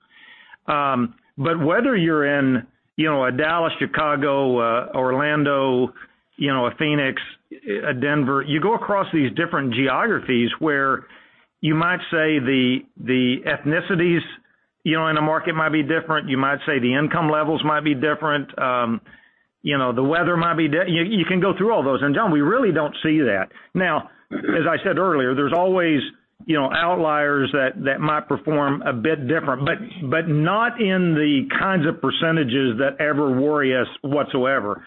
Whether you're in a Dallas, Chicago, Orlando, a Phoenix, a Denver, you go across these different geographies where you might say the ethnicities in a market might be different. You might say the income levels might be different. The weather might be. You can go through all those. John, we really don't see that. Now, as I said earlier, there's always outliers that might perform a bit different, but not in the kinds of percentages that ever worry us whatsoever.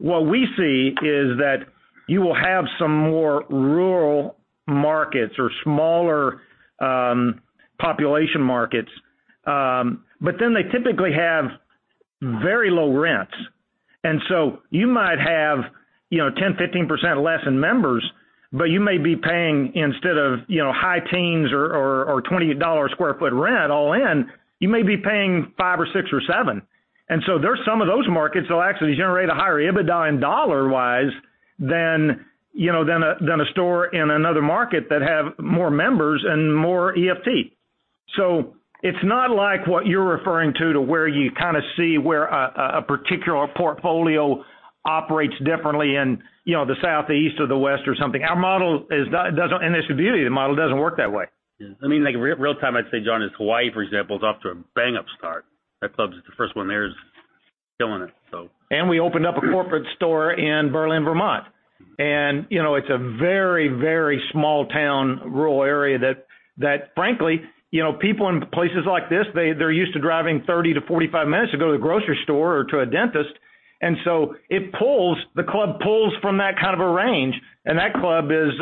What we see is that you will have some more rural markets or smaller population markets. They typically have very low rents. You might have 10%, 15% less in members, but you may be paying, instead of high teens or $20 a square foot rent all in, you may be paying five or six or seven. There's some of those markets that'll actually generate a higher EBITDA dollar-wise than a store in another market that have more members and more EFT. It's not like what you're referring to where you see where a particular portfolio operates differently in the South, the East, or the West or something. That's the beauty. The model doesn't work that way. Real-time, I'd say, John, is Hawaii, for example, is off to a bang-up start. That club's the first one there is killing it. We opened up a corporate store in Berlin, Vermont. It's a very, very small town, rural area that frankly, people in places like this, they're used to driving 30-45 minutes to go to the grocery store or to a dentist. It pulls, the club pulls from that kind of a range, and that club is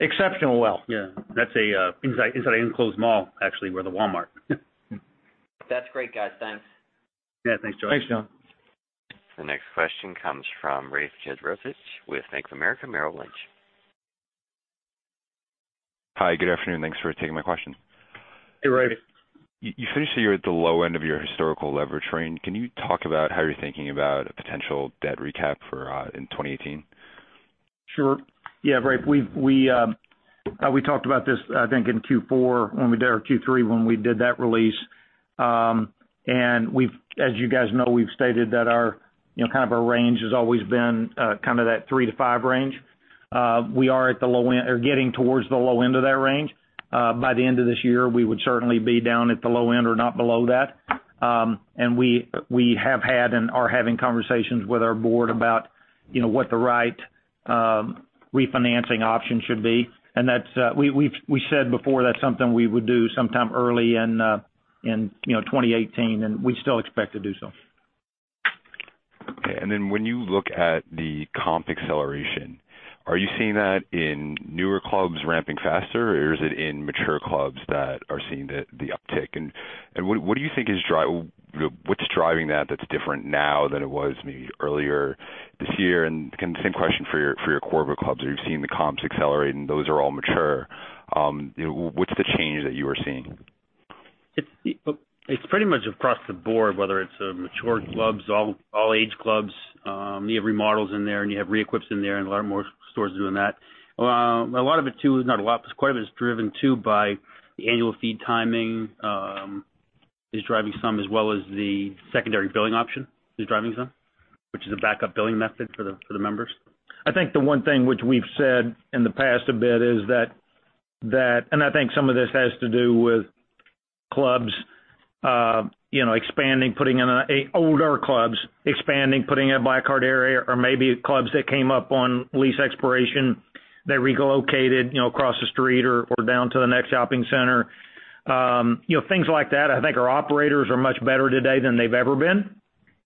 exceptional well. Yeah. That's inside an enclosed mall, actually, where the Walmart That's great, guys. Thanks. Yeah. Thanks, John. Thanks, John. The next question comes from Rafe Jadrosich with Bank of America Merrill Lynch. Hi, good afternoon. Thanks for taking my question. Hey, Rafe. You finished the year at the low end of your historical leverage range. Can you talk about how you're thinking about a potential debt recap in 2018? Sure. Yeah, Rafe. We talked about this, I think, in Q4 or Q3 when we did that release. As you guys know, we've stated that our range has always been that 3 to 5 range. We are getting towards the low end of that range. By the end of this year, we would certainly be down at the low end or not below that. We have had and are having conversations with our board about what the right refinancing option should be. We said before that's something we would do sometime early in 2018, and we still expect to do so. Okay. When you look at the comp acceleration, are you seeing that in newer clubs ramping faster, or is it in mature clubs that are seeing the uptick? What do you think is driving that's different now than it was maybe earlier this year? Same question for your corporate clubs. You've seen the comps accelerate and those are all mature. What's the change that you are seeing? It's pretty much across the board, whether it's mature clubs, all age clubs. You have remodels in there and you have re-equips in there and a lot of more stores doing that. A lot of it too, not a lot, but quite a bit is driven too by the annual fee timing, is driving some as well as the secondary billing option is driving some, which is a backup billing method for the members. I think the one thing which we've said in the past a bit is that, I think some of this has to do with clubs expanding, putting in older clubs, expanding, putting in a Black Card area, or maybe clubs that came up on lease expiration that relocated across the street or down to the next shopping center. Things like that. I think our operators are much better today than they've ever been.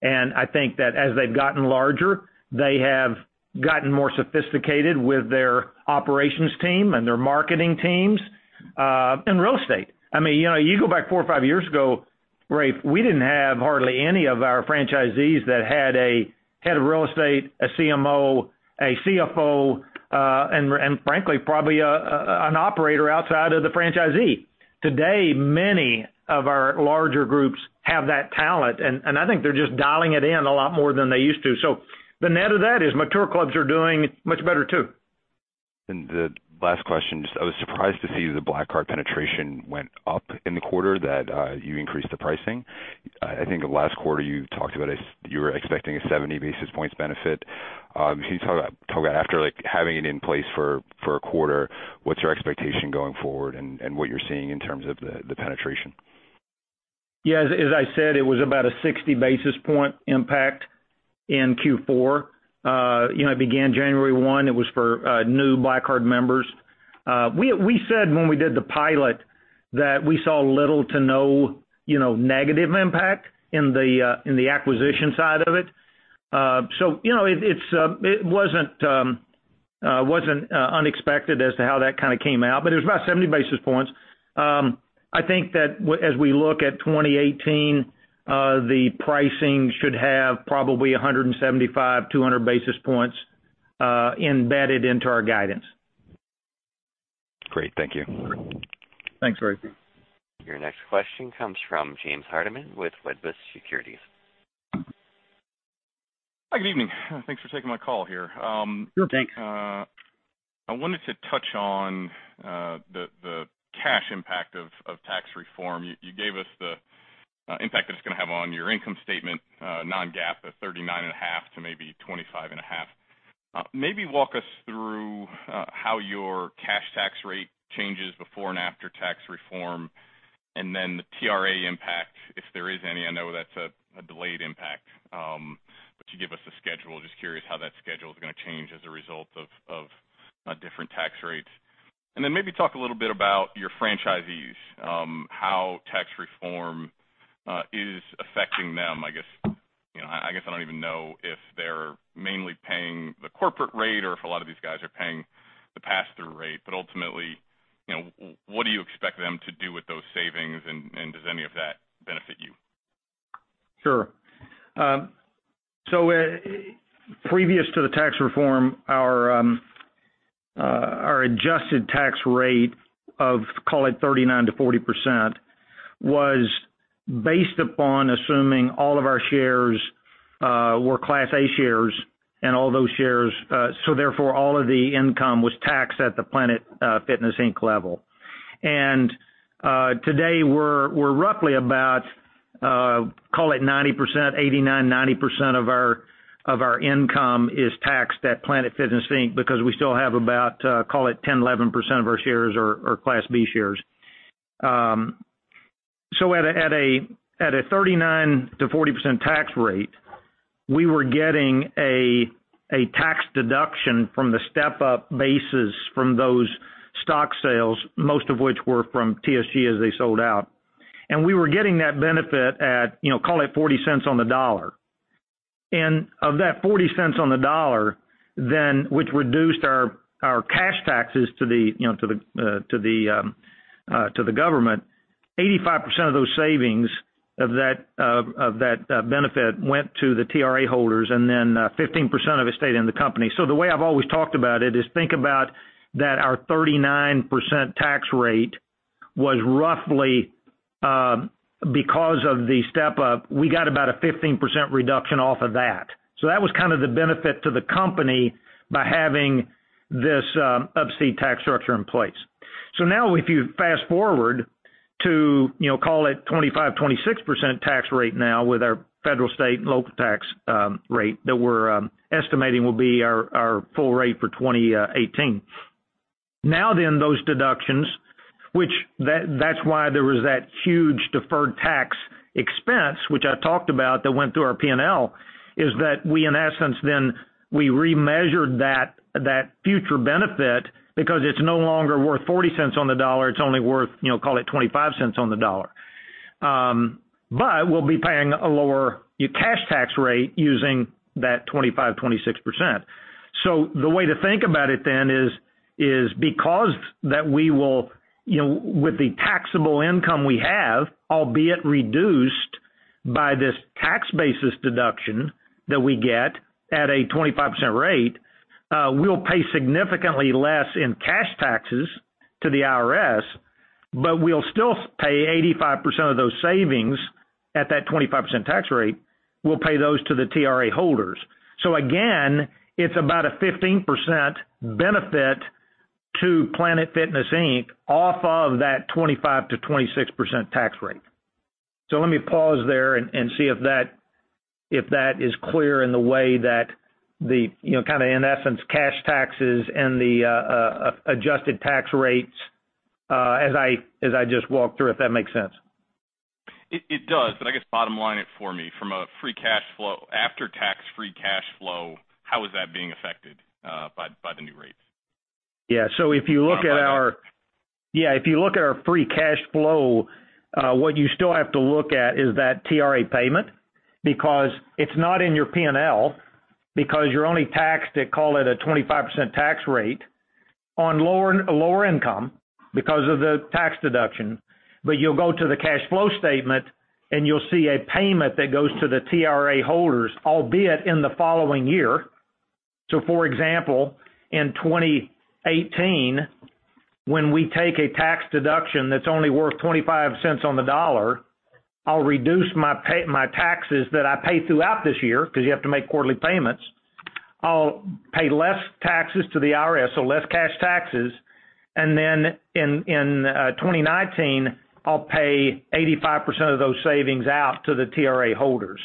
I think that as they've gotten larger, they have gotten more sophisticated with their operations team and their marketing teams, and real estate. You go back four or five years ago, Rafe, we didn't have hardly any of our franchisees that had a head of real estate, a CMO, a CFO, and frankly, probably an operator outside of the franchisee. Today, many of our larger groups have that talent, I think they're just dialing it in a lot more than they used to. The net of that is mature clubs are doing much better, too. I was surprised to see the Black Card penetration went up in the quarter that you increased the pricing. I think the last quarter you talked about you were expecting a 70 basis points benefit. Can you talk about after having it in place for a quarter, what's your expectation going forward and what you're seeing in terms of the penetration? Yeah. As I said, it was about a 60 basis point impact in Q4. It began October 1. It was for new Black Card members. We said when we did the pilot that we saw little to no negative impact in the acquisition side of it. It wasn't unexpected as to how that kind of came out, but it was about 70 basis points. I think that as we look at 2018, the pricing should have probably 175, 200 basis points embedded into our guidance. Great. Thank you. Thanks, Rafe. Your next question comes from James Hardiman with Wedbush Securities. Hi, good evening. Thanks for taking my call here. Sure thing. I wanted to touch on the cash impact of tax reform. You gave us the impact that it's going to have on your income statement, non-GAAP, the 39.5% to maybe 25.5%. Then walk us through how your cash tax rate changes before and after tax reform, then the TRA impact, if there is any. I know that's a delayed impact. You gave us a schedule. Just curious how that schedule is going to change as a result of different tax rates. Then maybe talk a little bit about your franchisees, how tax reform is affecting them. I guess I don't even know if they're mainly paying the corporate rate or if a lot of these guys are paying the pass-through rate. Ultimately, what do you expect them to do with those savings, and does any of that benefit you? Previous to the tax reform, our adjusted tax rate of, call it 39%-40%, was based upon assuming all of our shares were Class A shares and all those shares, therefore, all of the income was taxed at the Planet Fitness Inc. level. Today, we're roughly about, call it 90%, 89%-90% of our income is taxed at Planet Fitness Inc. because we still have about, call it 10%-11% of our shares are Class B shares. At a 39%-40% tax rate, we were getting a tax deduction from the step-up basis from those stock sales, most of which were from TSG as they sold out. We were getting that benefit at, call it $0.40 on the dollar. Of that $0.40 on the dollar, which reduced our cash taxes to the government, 85% of those savings of that benefit went to the TRA holders, 15% of it stayed in the company. The way I've always talked about it is think about that our 39% tax rate was roughly, because of the step-up, we got about a 15% reduction off of that. That was kind of the benefit to the company by having this Up-C tax structure in place. Now if you fast-forward to, call it 25%-26% tax rate now with our federal, state, and local tax rate that we're estimating will be our full rate for 2018. Those deductions, which that's why there was that huge deferred tax expense, which I talked about that went through our P&L, is that we, in essence, we remeasured that future benefit because it's no longer worth $0.40 on the dollar, it's only worth, call it $0.25 on the dollar. We'll be paying a lower cash tax rate using that 25%-26%. The way to think about it is because we will, with the taxable income we have, albeit reduced by this tax basis deduction that we get at a 25% rate, we'll pay significantly less in cash taxes to the IRS, but we'll still pay 85% of those savings at that 25% tax rate, we'll pay those to the TRA holders. Again, it's about a 15% benefit to Planet Fitness Inc. off of that 25%-26% tax rate. Let me pause there and see if that is clear in the way that the, kind of, in essence, cash taxes and the adjusted tax rates, as I just walked through, if that makes sense. It does. I guess bottom line it for me, from a free cash flow, after-tax free cash flow, how is that being affected by the new rates? If you look at our free cash flow, what you still have to look at is that TRA payment, because it's not in your P&L because you're only taxed at, call it, a 25% tax rate on lower income because of the tax deduction. You'll go to the cash flow statement and you'll see a payment that goes to the TRA holders, albeit in the following year. For example, in 2018, when we take a tax deduction that's only worth $0.25 on the dollar, I'll reduce my taxes that I pay throughout this year, because you have to make quarterly payments. I'll pay less taxes to the IRS, less cash taxes, and then in 2019, I'll pay 85% of those savings out to the TRA holders.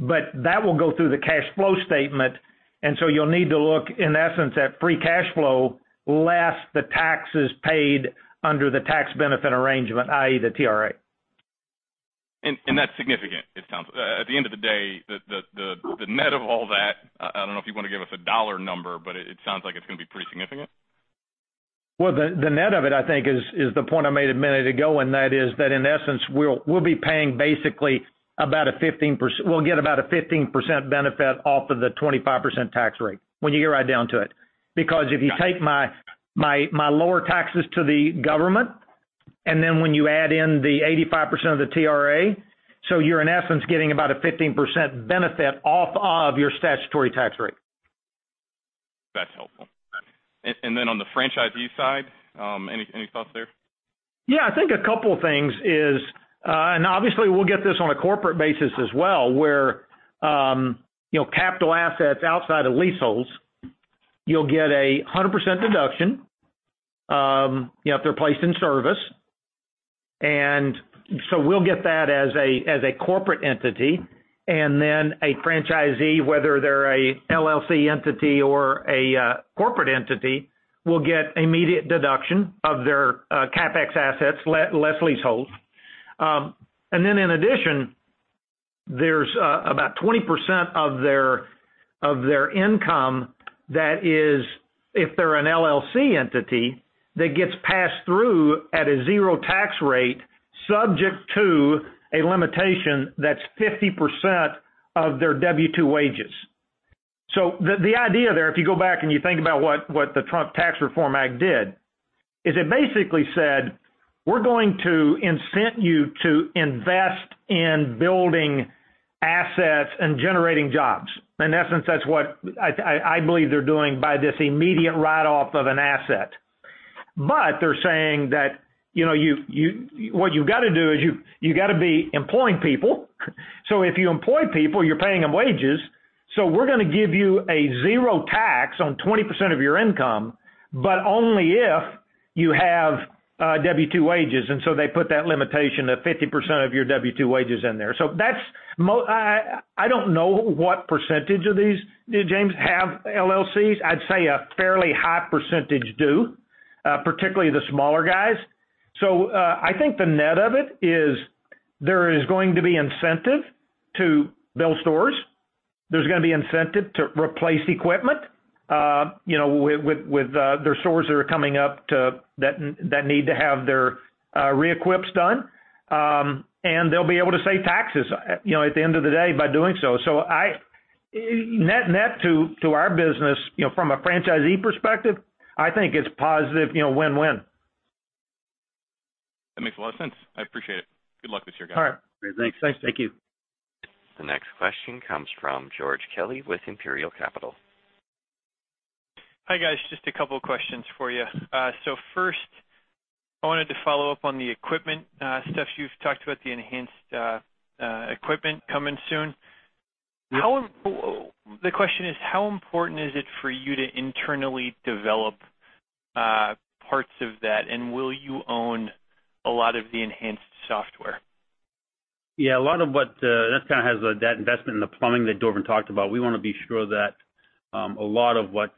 That will go through the cash flow statement, you'll need to look, in essence, at free cash flow, less the taxes paid under the tax benefit arrangement, i.e., the TRA. That's significant, it sounds. At the end of the day, the net of all that, I don't know if you want to give us a dollar number, but it sounds like it's going to be pretty significant? The net of it, I think, is the point I made a minute ago, that is that in essence, we'll be paying basically about a 15%-- we'll get about a 15% benefit off of the 25% tax rate when you get right down to it. Because if you take my lower taxes to the government, when you add in the 85% of the TRA, you're in essence getting about a 15% benefit off of your statutory tax rate. That's helpful. On the franchisee side, any thoughts there? I think a couple things is, obviously we'll get this on a corporate basis as well, where capital assets outside of leaseholds, you'll get 100% deduction, if they're placed in service. We'll get that as a corporate entity. A franchisee, whether they're a LLC entity or a corporate entity, will get immediate deduction of their CapEx assets, less leaseholds. In addition, there's about 20% of their income that is, if they're an LLC entity, that gets passed through at a zero tax rate subject to a limitation that's 50% of their W-2 wages. The idea there, if you go back and you think about what the Trump Tax Reform Act did, is it basically said, "We're going to incent you to invest in building assets and generating jobs." In essence, that's what I believe they're doing by this immediate write-off of an asset. They're saying that what you've got to do is you've got to be employing people. If you employ people, you're paying them wages, we're going to give you a zero tax on 20% of your income, but only if you have W-2 wages. They put that limitation of 50% of your W-2 wages in there. I don't know what percentage of these, James, have LLCs. I'd say a fairly high percentage do, particularly the smaller guys. I think the net of it is there is going to be incentive to build stores. There's going to be incentive to replace equipment, with their stores that are coming up that need to have their reequips done. They'll be able to save taxes at the end of the day by doing so. Net-net to our business, from a franchisee perspective, I think it's positive, win-win. That makes a lot of sense. I appreciate it. Good luck this year, guys. All right. Great. Thanks. Thanks. Thank you. The next question comes from George Kelly with Imperial Capital. Hi, guys. Just a couple of questions for you. First I wanted to follow up on the equipment stuff. You've talked about the enhanced equipment coming soon. Yeah. The question is, How important is it for you to internally develop parts of that? Will you own a lot of the enhanced software? Yeah, that kind of has that investment in the plumbing that Dorvin talked about. We want to be sure that a lot of what's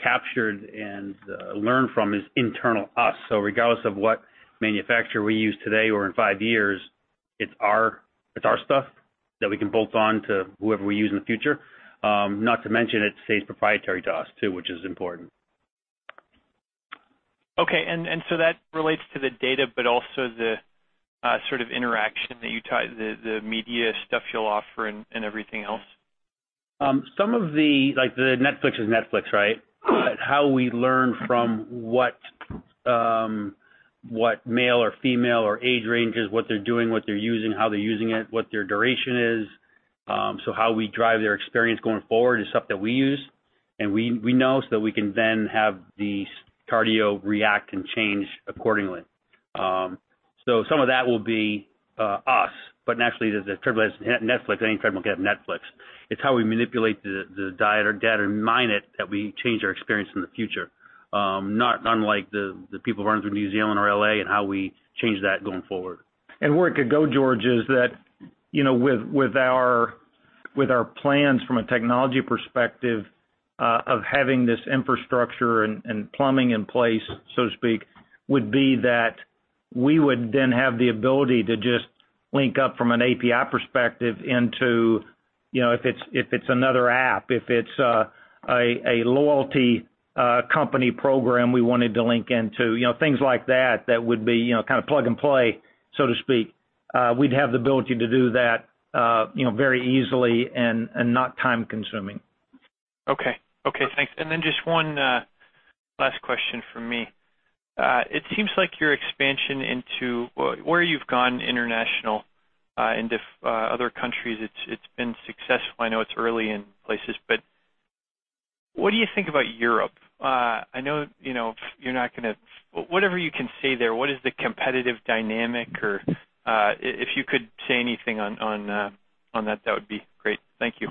captured and learned from is internal us. Regardless of what manufacturer we use today or in five years, it's our stuff that we can bolt on to whoever we use in the future. Not to mention, it stays proprietary to us, too, which is important. Okay. That relates to the data, but also the sort of interaction that you tie the media stuff you'll offer and everything else? Netflix is Netflix, right? How we learn from what male or female or age ranges, what they're doing, what they're using, how they're using it, what their duration is. How we drive their experience going forward is stuff that we use and we know, that we can then have the cardio react and change accordingly. Some of that will be us, but naturally, there's a triple S Netflix. I think triple S Netflix. It's how we manipulate the data, mine it, that we change our experience in the future. Not unlike the people running through New Zealand or L.A. and how we change that going forward. Where it could go, George, is that with our plans from a technology perspective of having this infrastructure and plumbing in place, so to speak, would be that we would then have the ability to just link up from an API perspective into, if it's another app, if it's a loyalty company program we wanted to link into, things like that would be kind of plug and play, so to speak. We'd have the ability to do that very easily and not time-consuming. Okay, thanks. Just one last question from me. It seems like your expansion into where you've gone international, into other countries, it's been successful. I know it's early in places, what do you think about Europe? Whatever you can say there, what is the competitive dynamic? If you could say anything on that would be great. Thank you.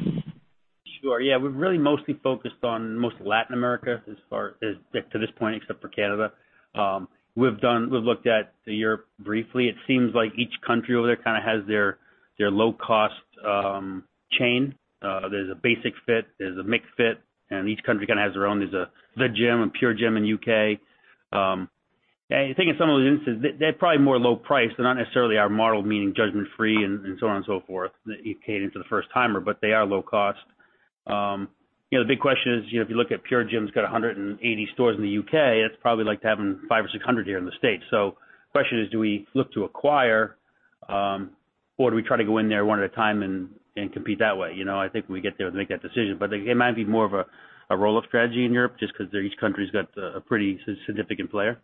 Sure. Yeah. We've really mostly focused on mostly Latin America to this point, except for Canada. We've looked at Europe briefly. It seems like each country over there kind of has their low-cost chain. There's a Basic-Fit, there's a McFIT, each country kind of has their own. There's The Gym Group and PureGym in U.K. I think in some of those instances, they're probably more low price. They're not necessarily our model, meaning judgment free and so on and so forth, that you paid into the first timer. They are low cost. The big question is, if you look at PureGym's got 180 stores in the U.K., that's probably like having 500 or 600 here in the States. The question is, do we look to acquire or do we try to go in there one at a time and compete that way? I think when we get there, we'll make that decision. It might be more of a roll-up strategy in Europe, just because each country's got a pretty significant player.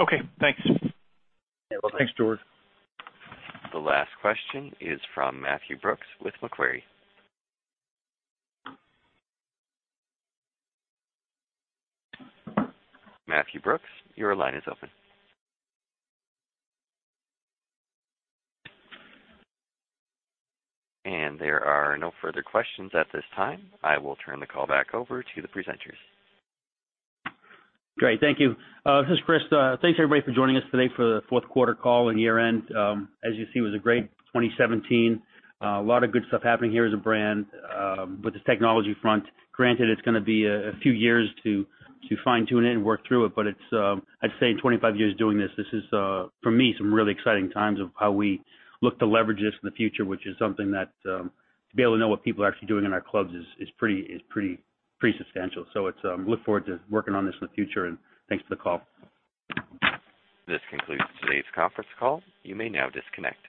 Okay, thanks. You're welcome. Thanks, George. The last question is from Matthew Brooks with Macquarie. Matthew Brooks, your line is open. There are no further questions at this time. I will turn the call back over to the presenters. Great. Thank you. This is Chris. Thanks, everybody, for joining us today for the fourth quarter call and year-end. As you see, it was a great 2017. A lot of good stuff happening here as a brand with this technology front. Granted, it's going to be a few years to fine-tune it and work through it, but I'd say in 25 years doing this is, for me, some really exciting times of how we look to leverage this in the future, which is something that to be able to know what people are actually doing in our clubs is pretty substantial. Look forward to working on this in the future, and thanks for the call. This concludes today's conference call. You may now disconnect.